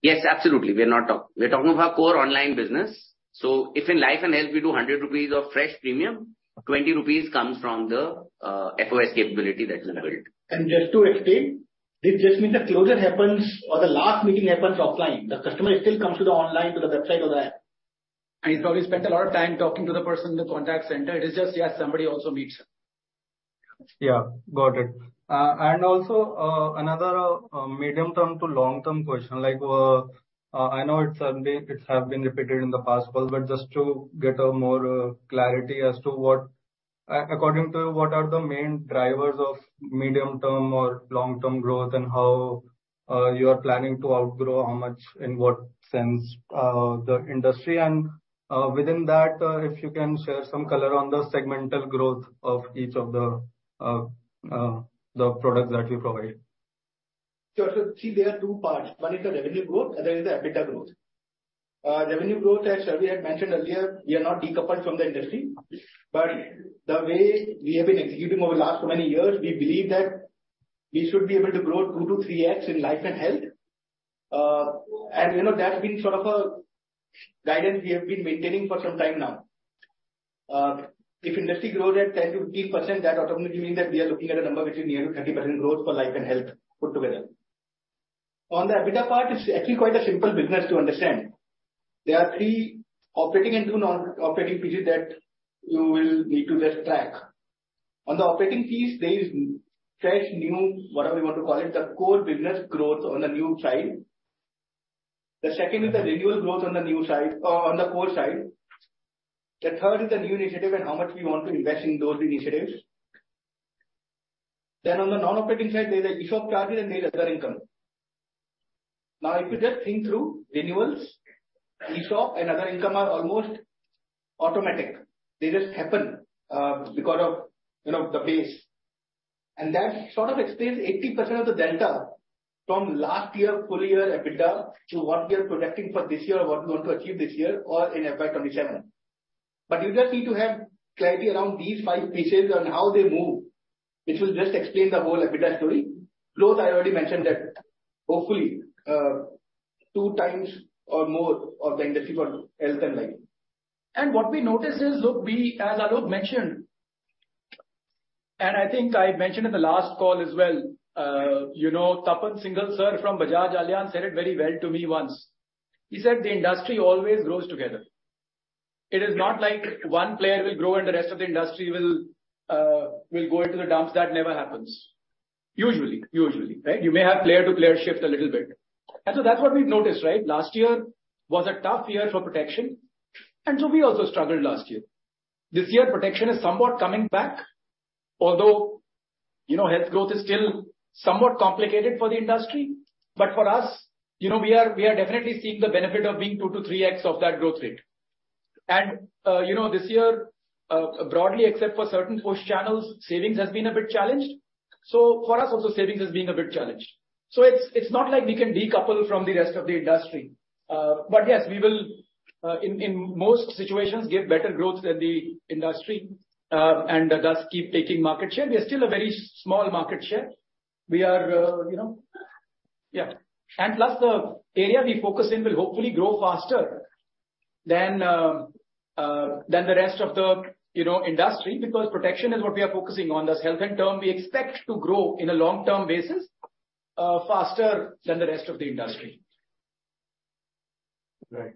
Yes, absolutely. We're talking about core online business. If in life and health we do 100 rupees of fresh premium, 20 rupees comes from the FOS capability that is available. Just to explain, this just means the closure happens or the last meeting happens offline. The customer still comes to the online, to the website or the app, and he probably spends a lot of time talking to the person in the contact center. It is just, yeah, somebody also meets him. Yeah, got it. Also, another medium-term to long-term question, like, I know it's certainly, it's have been repeated in the past calls, but just to get a more clarity as to what. According to you, what are the main drivers of medium-term or long-term growth, and how you are planning to outgrow, how much, in what sense, the industry? And, within that, if you can share some color on the segmental growth of each of the products that you provide. Sure. See, there are 2 parts. One is the revenue growth, and the other is the EBITDA growth. Revenue growth, as Sarbvir had mentioned earlier, we are not decoupled from the industry, but the way we have been executing over the last so many years, we believe that we should be able to grow 2-3x in life and health. You know, that's been sort of a guidance we have been maintaining for some time now. If industry grows at 10%-15%, that automatically means that we are looking at a number which is near to 30% growth for life and health put together. On the EBITDA part, it's actually quite a simple business to understand. There are 3 operating and 2 non-operating pieces that you will need to just track. On the operating piece, there is fresh, new, whatever you want to call it, the core business growth on the new side. The second is the renewal growth on the new side, on the core side. The third is the new initiative and how much we want to invest in those initiatives. On the non-operating side, there's an ESOP charge and there's other income. If you just think through renewals, ESOP and other income are almost automatic. They just happen, because of, you know, the base. That sort of explains 80% of the delta from last year, full year EBITDA to what we are projecting for this year or what we want to achieve this year or in FY 2027. You just need to have clarity around these five pieces on how they move, which will just explain the whole EBITDA story. Growth, I already mentioned that hopefully, 2 times or more of the industry for health and life. What we noticed is, look, we, as Alok mentioned, and I think I mentioned in the last call as well, you know, Tapan Singhel, sir, from Bajaj Allianz, said it very well to me once. He said, "The industry always grows together." It is not like one player will grow and the rest of the industry will go into the dumps. That never happens. Usually, usually, right? You may have player to player shift a little bit. That's what we've noticed, right? Last year was a tough year for protection, and so we also struggled last year. This year, protection is somewhat coming back, although, you know, health growth is still somewhat complicated for the industry. For us, you know, we are, we are definitely seeing the benefit of being 2 to 3x of that growth rate. you know, this year, broadly, except for certain push channels, savings has been a bit challenged. For us also, savings has been a bit challenged. It's, it's not like we can decouple from the rest of the industry. Yes, we will, in, in most situations, get better growth than the industry, and thus keep taking market share. We are still a very small market share. We are, you know. Plus, the area we focus in will hopefully grow faster than, than the rest of the, you know, industry, because protection is what we are focusing on. Thus, health in turn, we expect to grow in a long-term basis, faster than the rest of the industry.... Right.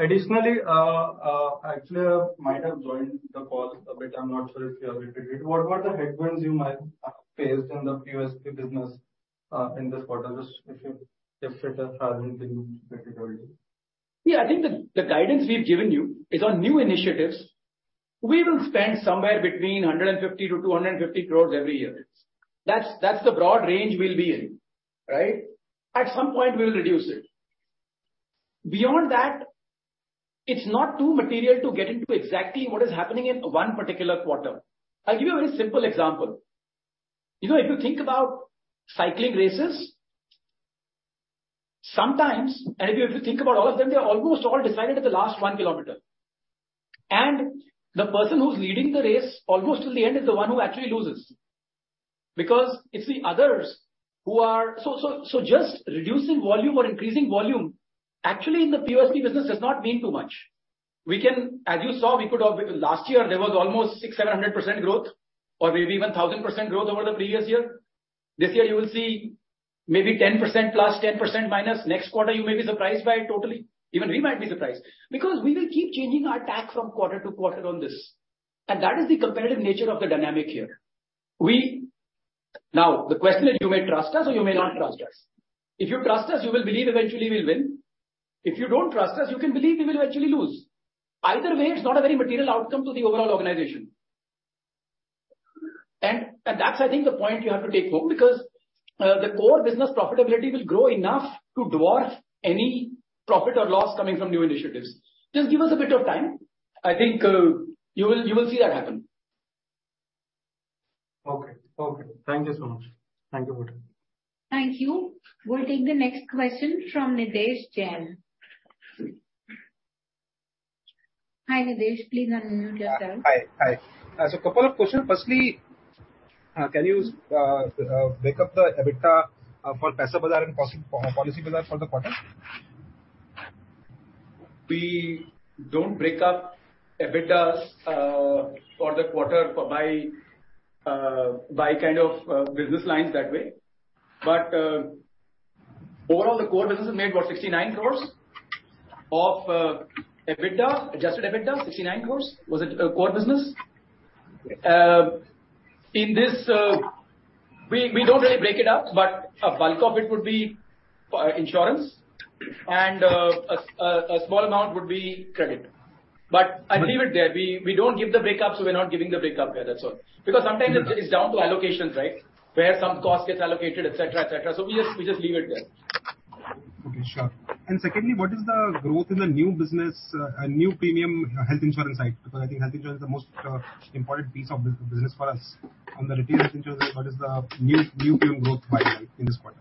Additionally, actually I might have joined the call a bit, I'm not sure if you have repeated. What are the headwinds you might have faced in the POSP business, in this quarter? Just if you just set 1,000 in particular. Yeah, I think the, the guidance we've given you is on new initiatives. We will spend somewhere between 150 crore-250 crore every year. That's, that's the broad range we'll be in, right? At some point, we'll reduce it. Beyond that, it's not too material to get into exactly what is happening in one particular quarter. I'll give you a very simple example. You know, if you think about cycling races, sometimes, and if you think about all of them, they are almost all decided at the last 1 kilometer. The person who's leading the race almost till the end, is the one who actually loses. Because it's the others who are... Just reducing volume or increasing volume, actually in the POSP business does not mean too much. We can, as you saw, we could have last year there was almost 600%-700% growth or maybe even 1,000% growth over the previous year. This year you will see maybe 10% plus, 10% minus. Next quarter, you may be surprised by it totally. Even we might be surprised, because we will keep changing our tack from quarter to quarter on this, and that is the competitive nature of the dynamic here. Now, the question is, you may trust us or you may not trust us. If you trust us, you will believe eventually we'll win. If you don't trust us, you can believe we will actually lose. Either way, it's not a very material outcome to the overall organization. That's, I think, the point you have to take home, because, the core business profitability will grow enough to dwarf any profit or loss coming from new initiatives. Just give us a bit of time. I think, you will, you will see that happen. Okay. Okay. Thank you so much. Thank you, good. Thank you. We'll take the next question from Nidesh Jain. Hi, Nidesh, please unmute yourself. Hi, hi. A couple of questions. Firstly, can you break up the EBITDA for Paisabazaar and Policybazaar for the quarter? We don't break up EBITDA for the quarter by by kind of business lines that way. Overall, the core business has made about 69 crore of EBITDA, adjusted EBITDA, 69 crore. Was it core business? In this, we, we don't really break it out, a bulk of it would be insurance and a small amount would be credit. I'd leave it there. We, we don't give the break up, we're not giving the break up there, that's all. Sometimes it's down to allocations, right? Where some cost gets allocated, et cetera, et cetera. We just, we just leave it there. Okay, sure. Secondly, what is the growth in the new business, new premium health insurance side? Because I think health insurance is the most important piece of business for us. On the retail insurance, what is the new, new premium growth by in this quarter?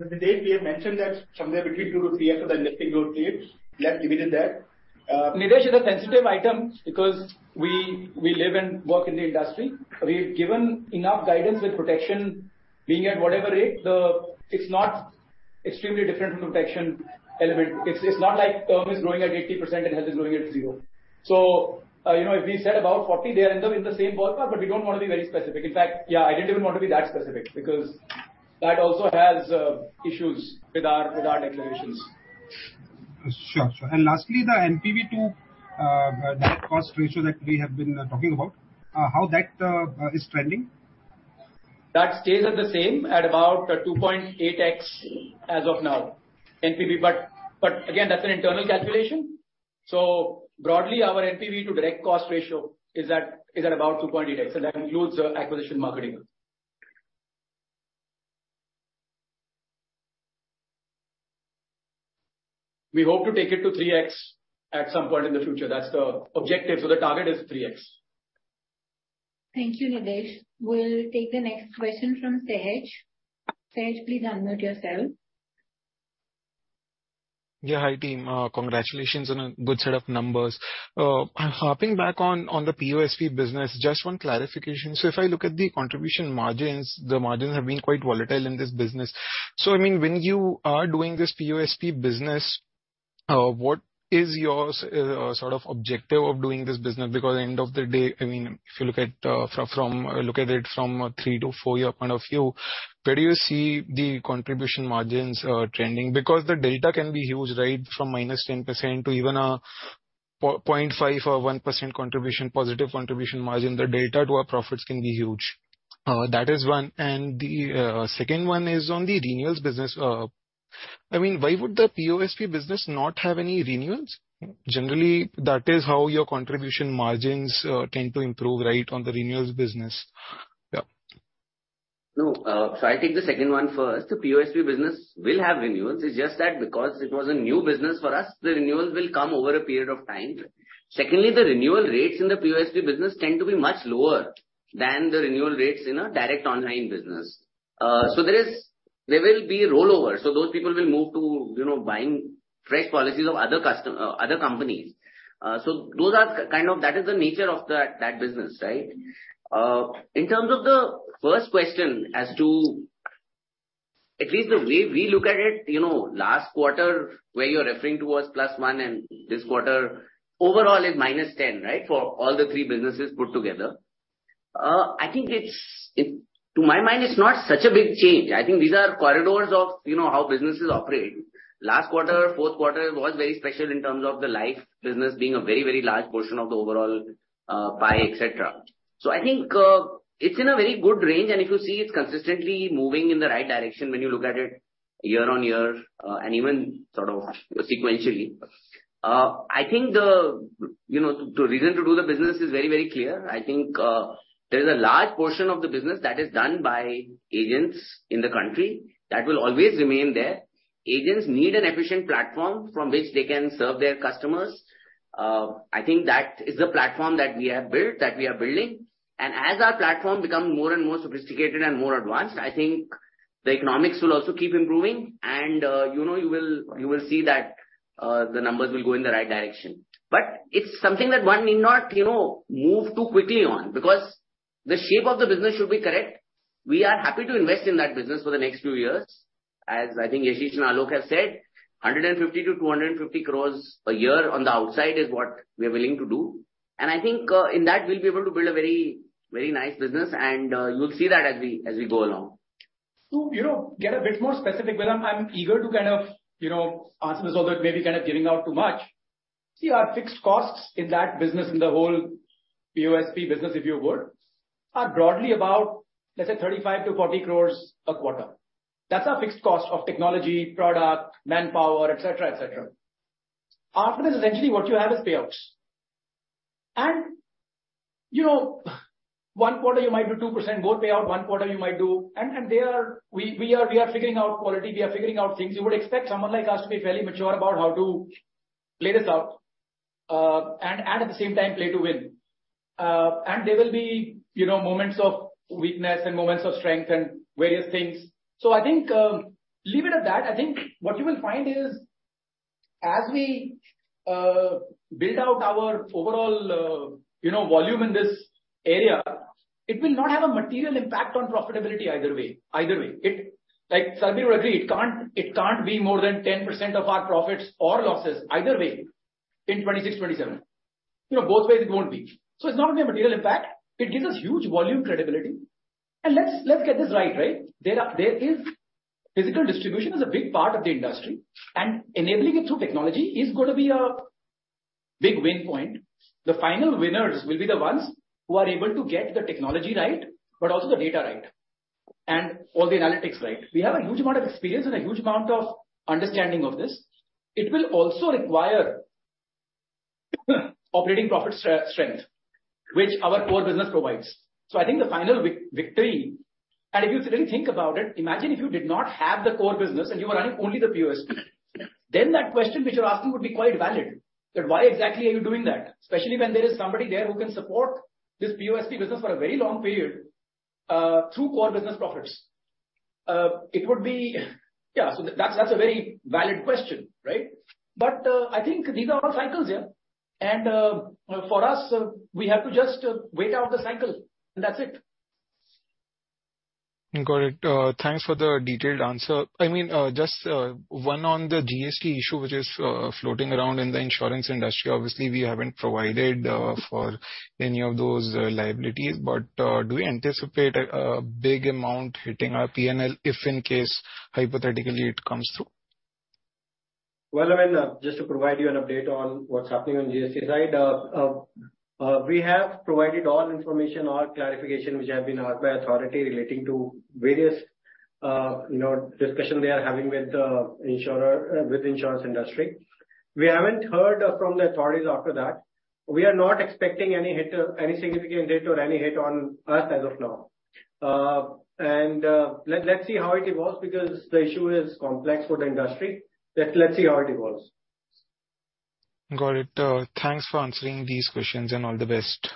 Nidesh, we have mentioned that somewhere between 2-3 after the lifting growth rates, let's leave it at that. Nidesh, it's a sensitive item because we, we live and work in the industry. We've given enough guidance with protection being at whatever rate, the. It's not extremely different from protection element. It's, it's not like term is growing at 80% and health is growing at 0. You know, if we said about 40, they are in the, in the same ballpark, but we don't want to be very specific. In fact, yeah, I didn't even want to be that specific, because that also has issues with our, with our declarations. Sure, sure. Lastly, the NPV to direct cost ratio that we have been talking about, how that is trending? That stays at the same, at about 2.8x as of now, NPV. But again, that's an internal calculation. Broadly, our NPV to direct cost ratio is at, is at about 2.8x, so that includes acquisition marketing. We hope to take it to 3x at some point in the future. That's the objective, so the target is 3x. Thank you, Nidesh. We'll take the next question from Sehaj. Sehaj, please unmute yourself. Yeah. Hi, team. Congratulations on a good set of numbers. Harping back on, on the POSP business, just one clarification. If I look at the contribution margins, the margins have been quite volatile in this business. I mean, when you are doing this POSP business, what is your sort of objective of doing this business? Because at the end of the day, I mean, if you look at, from, from, look at it from a 3 to 4-year point of view, where do you see the contribution margins trending? Because the delta can be huge, right? From -10% to even a 0.5% or 1% contribution, positive contribution margin. The delta to our profits can be huge. That is one. The second one is on the renewals business. I mean, why would the POSP business not have any renewals? Generally, that is how your contribution margins tend to improve right on the renewals business. Yeah. No, so I'll take the second one first. The POSP business will have renewals. It's just that because it was a new business for us, the renewals will come over a period of time. Secondly, the renewal rates in the POSP business tend to be much lower than the renewal rates in a direct online business. There will be rollover, so those people will move to, you know, buying fresh policies of other companies. Those are kind of, that is the nature of that, that business, right? In terms of the first question as to... At least the way we look at it, you know, last quarter where you're referring to was +1, and this quarter overall is -10, right? For all the three businesses put together. -- to my mind, it's not such a big change. I think these are corridors of, you know, how businesses operate. Last quarter, fourth quarter was very special in terms of the life business being a very, very large portion of the overall pie, et cetera. I think it's in a very good range, and if you see, it's consistently moving in the right direction when you look at it year-on-year and even sort of sequentially. I think the, you know, the reason to do the business is very, very clear. I think there is a large portion of the business that is done by agents in the country that will always remain there. Agents need an efficient platform from which they can serve their customers. I think that is the platform that we have built, that we are building. As our platform become more and more sophisticated and more advanced, I think the economics will also keep improving, and, you know, you will, you will see that, the numbers will go in the right direction. It's something that one need not, you know, move too quickly on, because the shape of the business should be correct. We are happy to invest in that business for the next few years. As I think Yashish and Alok have said, 150 crore-250 crore a year on the outside is what we are willing to do. I think, in that we'll be able to build a very, very nice business, and you'll see that as we, as we go along. you know, get a bit more specific, but I'm, I'm eager to kind of, you know, answer this, although it may be kind of giving out too much. See, our fixed costs in that business, in the whole POSP business, if you would, are broadly about, let's say, 35 crore-40 crore a quarter. That's our fixed cost of technology, product, manpower, et cetera, et cetera. After this, essentially what you have is payouts. you know, one quarter you might do 2% more payout, one quarter you might do... there are we are figuring out quality, we are figuring out things. You would expect someone like us to be fairly mature about how to play this out, and at the same time play to win. There will be, you know, moments of weakness and moments of strength and various things. I think leave it at that. I think what you will find is, as we build out our overall, you know, volume in this area, it will not have a material impact on profitability either way, either way. It, like, Samir would agree, it can't, it can't be more than 10% of our profits or losses either way in 2026, 2027. You know, both ways it won't be. It's not only a material impact, it gives us huge volume credibility. Let's, let's get this right, right? There are, there is physical distribution is a big part of the industry, and enabling it through technology is going to be a big win point. The final winners will be the ones who are able to get the technology right, but also the data right, and all the analytics right. We have a huge amount of experience and a huge amount of understanding of this. It will also require operating profit strength, which our core business provides. I think the final victory. If you really think about it, imagine if you did not have the core business and you were running only the POSP, then that question which you're asking would be quite valid, that why exactly are you doing that? Especially when there is somebody there who can support this POSP business for a very long period through core business profits. That's, that's a very valid question, right? I think these are all cycles. For us, we have to just wait out the cycle, and that's it. Got it. Thanks for the detailed answer. I mean, just one on the GST issue, which is floating around in the insurance industry. Obviously, we haven't provided for any of those liabilities, but do we anticipate a big amount hitting our PNL if in case, hypothetically, it comes through? Well, I mean, just to provide you an update on what's happening on the GST side. We have provided all information, all clarification, which have been asked by authority relating to various, you know, discussion they are having with insurer, with insurance industry. We haven't heard from the authorities after that. We are not expecting any hit, any significant date or any hit on us as of now. Let's see how it evolves, because the issue is complex for the industry. Let's see how it evolves. Got it. Thanks for answering these questions, and all the best.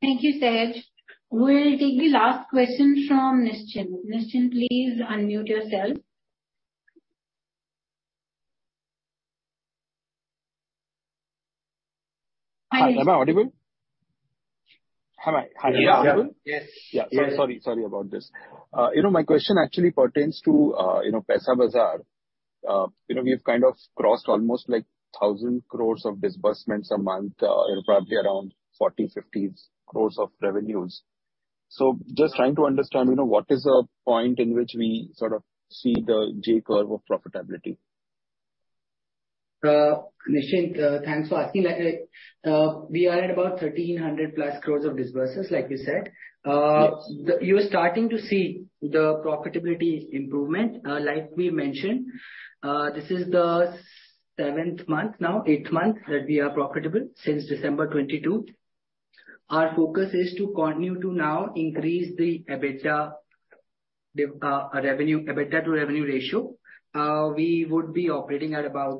Thank you, Sehaj. We'll take the last question from Nischin. Nischin, please unmute yourself. Hi, am I audible? Yeah. Am I audible? Yes. Yeah. Sorry, sorry about this. you know, my question actually pertains to, you know, Paisabazaar. you know, we've kind of crossed almost, like, 1,000 crore of disbursements a month, and probably around 40-50 crore of revenues. Just trying to understand, you know, what is the point in which we sort of see the J-curve of profitability? Nischin, thanks for asking. Like, we are at about 1,300+ crore of disbursements, like you said. Yes. You are starting to see the profitability improvement. Like we mentioned, this is the seventh month now, eighth month, that we are profitable since December 2022. Our focus is to continue to now increase the EBITDA, revenue, EBITDA to revenue ratio. We would be operating at about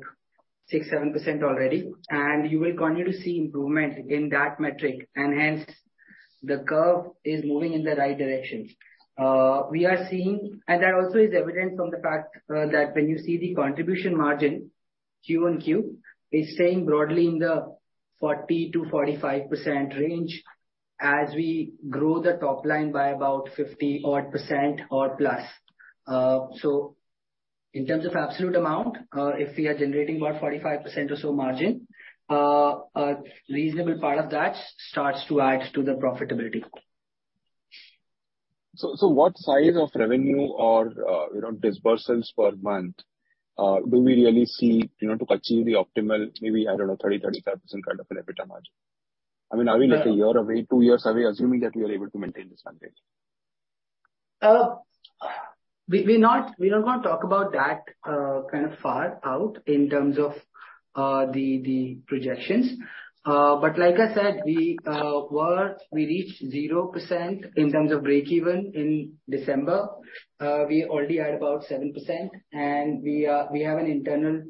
6%-7% already, and you will continue to see improvement in that metric, and hence the curve is moving in the right direction. We are seeing. That also is evident from the fact that when you see the contribution margin-Q on Q is staying broadly in the 40%-45% range as we grow the top line by about 50% odd or plus. In terms of absolute amount, if we are generating about 45% or so margin, a reasonable part of that starts to add to the profitability. What size of revenue or, you know, disbursements per month, do we really see, you know, to achieve the optimal, maybe, I don't know, 30%-35% kind of an EBITDA margin? I mean, are we like 1 year away, 2 years away, assuming that we are able to maintain this leverage? We, we don't want to talk about that, kind of far out in terms of the, the projections. But like I said, we, were, we reached 0% in terms of breakeven in December. We already are about 7%, and we have an internal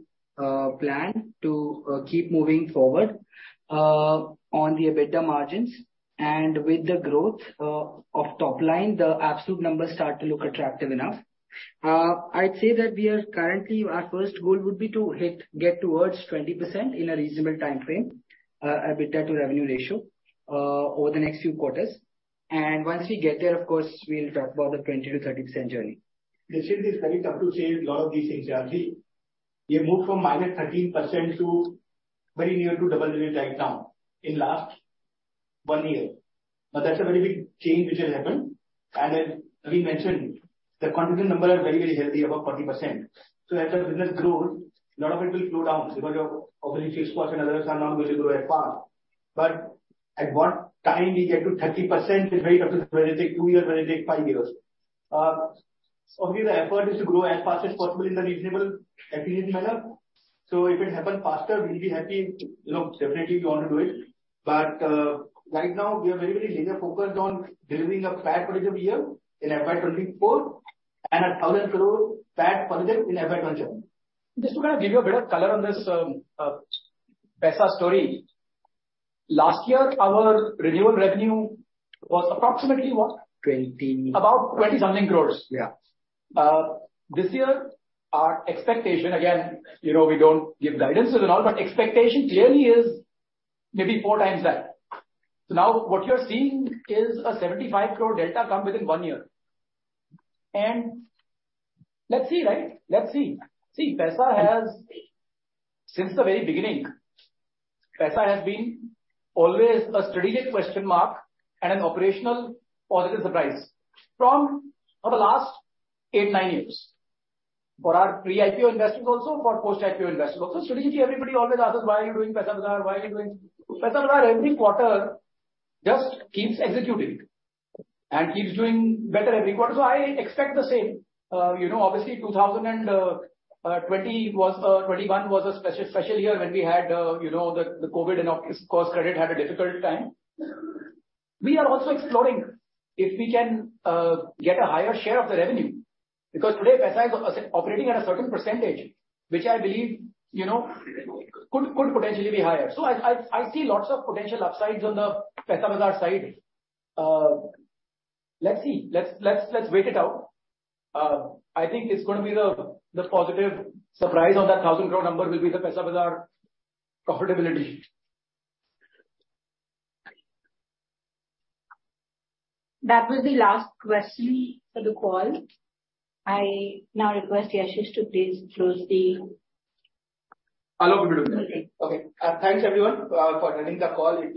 plan to keep moving forward on the EBITDA margins. With the growth of top line, the absolute numbers start to look attractive enough. I'd say that we are currently, our first goal would be to hit, get towards 20% in a reasonable timeframe, EBITDA to revenue ratio over the next few quarters. Once we get there, of course, we'll talk about the 20%-30% journey. This is very tough to say a lot of these things, RJ. We have moved from -13% to very near to double digits right now in last 1 year. That's a very big change which has happened. As we mentioned, the contingent number are very, very healthy, above 40%. As the business grows, a lot of it will slow down because of opportunity spots and others are not going to grow as fast. At what time we get to 30% is very difficult, whether it take 2 years, whether it take 5 years. Obviously the effort is to grow as fast as possible in a reasonable, efficient manner. If it happens faster, we'll be happy. You know, definitely we want to do it, but right now, we are very, very laser focused on delivering a fat budget of year in FY 2024, and an 1,000 crore fat budget in FY 2025. Just to kind of give you a bit of color on this Paisa story. Last year, our renewal revenue was approximately what? Twenty. About 20 something crores. Yeah. This year, our expectation, again, you know, we don't give guidance and all, but expectation clearly is maybe 4 times that. Now what you're seeing is a 75 crore delta come within 1 year. Let's see, right? Let's see. See, Paisa has... Since the very beginning, Paisa has been always a strategic question mark and an operational positive surprise from, for the last 8, 9 years. For our pre-IPO investors also, for post-IPO investors also. Strategically, everybody always asks us, "Why are you doing Paisabazaar? Why are you doing?" Paisabazaar, every quarter, just keeps executing and keeps doing better every quarter. I expect the same. You know, obviously, 2020 was 2021 was a special year when we had, you know, the, the COVID, and of course, credit had a difficult time. We are also exploring if we can get a higher share of the revenue, because today Paisa is operating at a certain percentage, which I believe, you know, could, could potentially be higher. I, I, I see lots of potential upsides on the Paisabazaar side. Let's see. Let's, let's, let's wait it out. I think it's going to be the, the positive surprise on that 1,000 crore number will be the Paisabazaar profitability. That was the last question for the call. I now request Yashish to please close the- I'll open it. Okay. Thanks, everyone, for attending the call.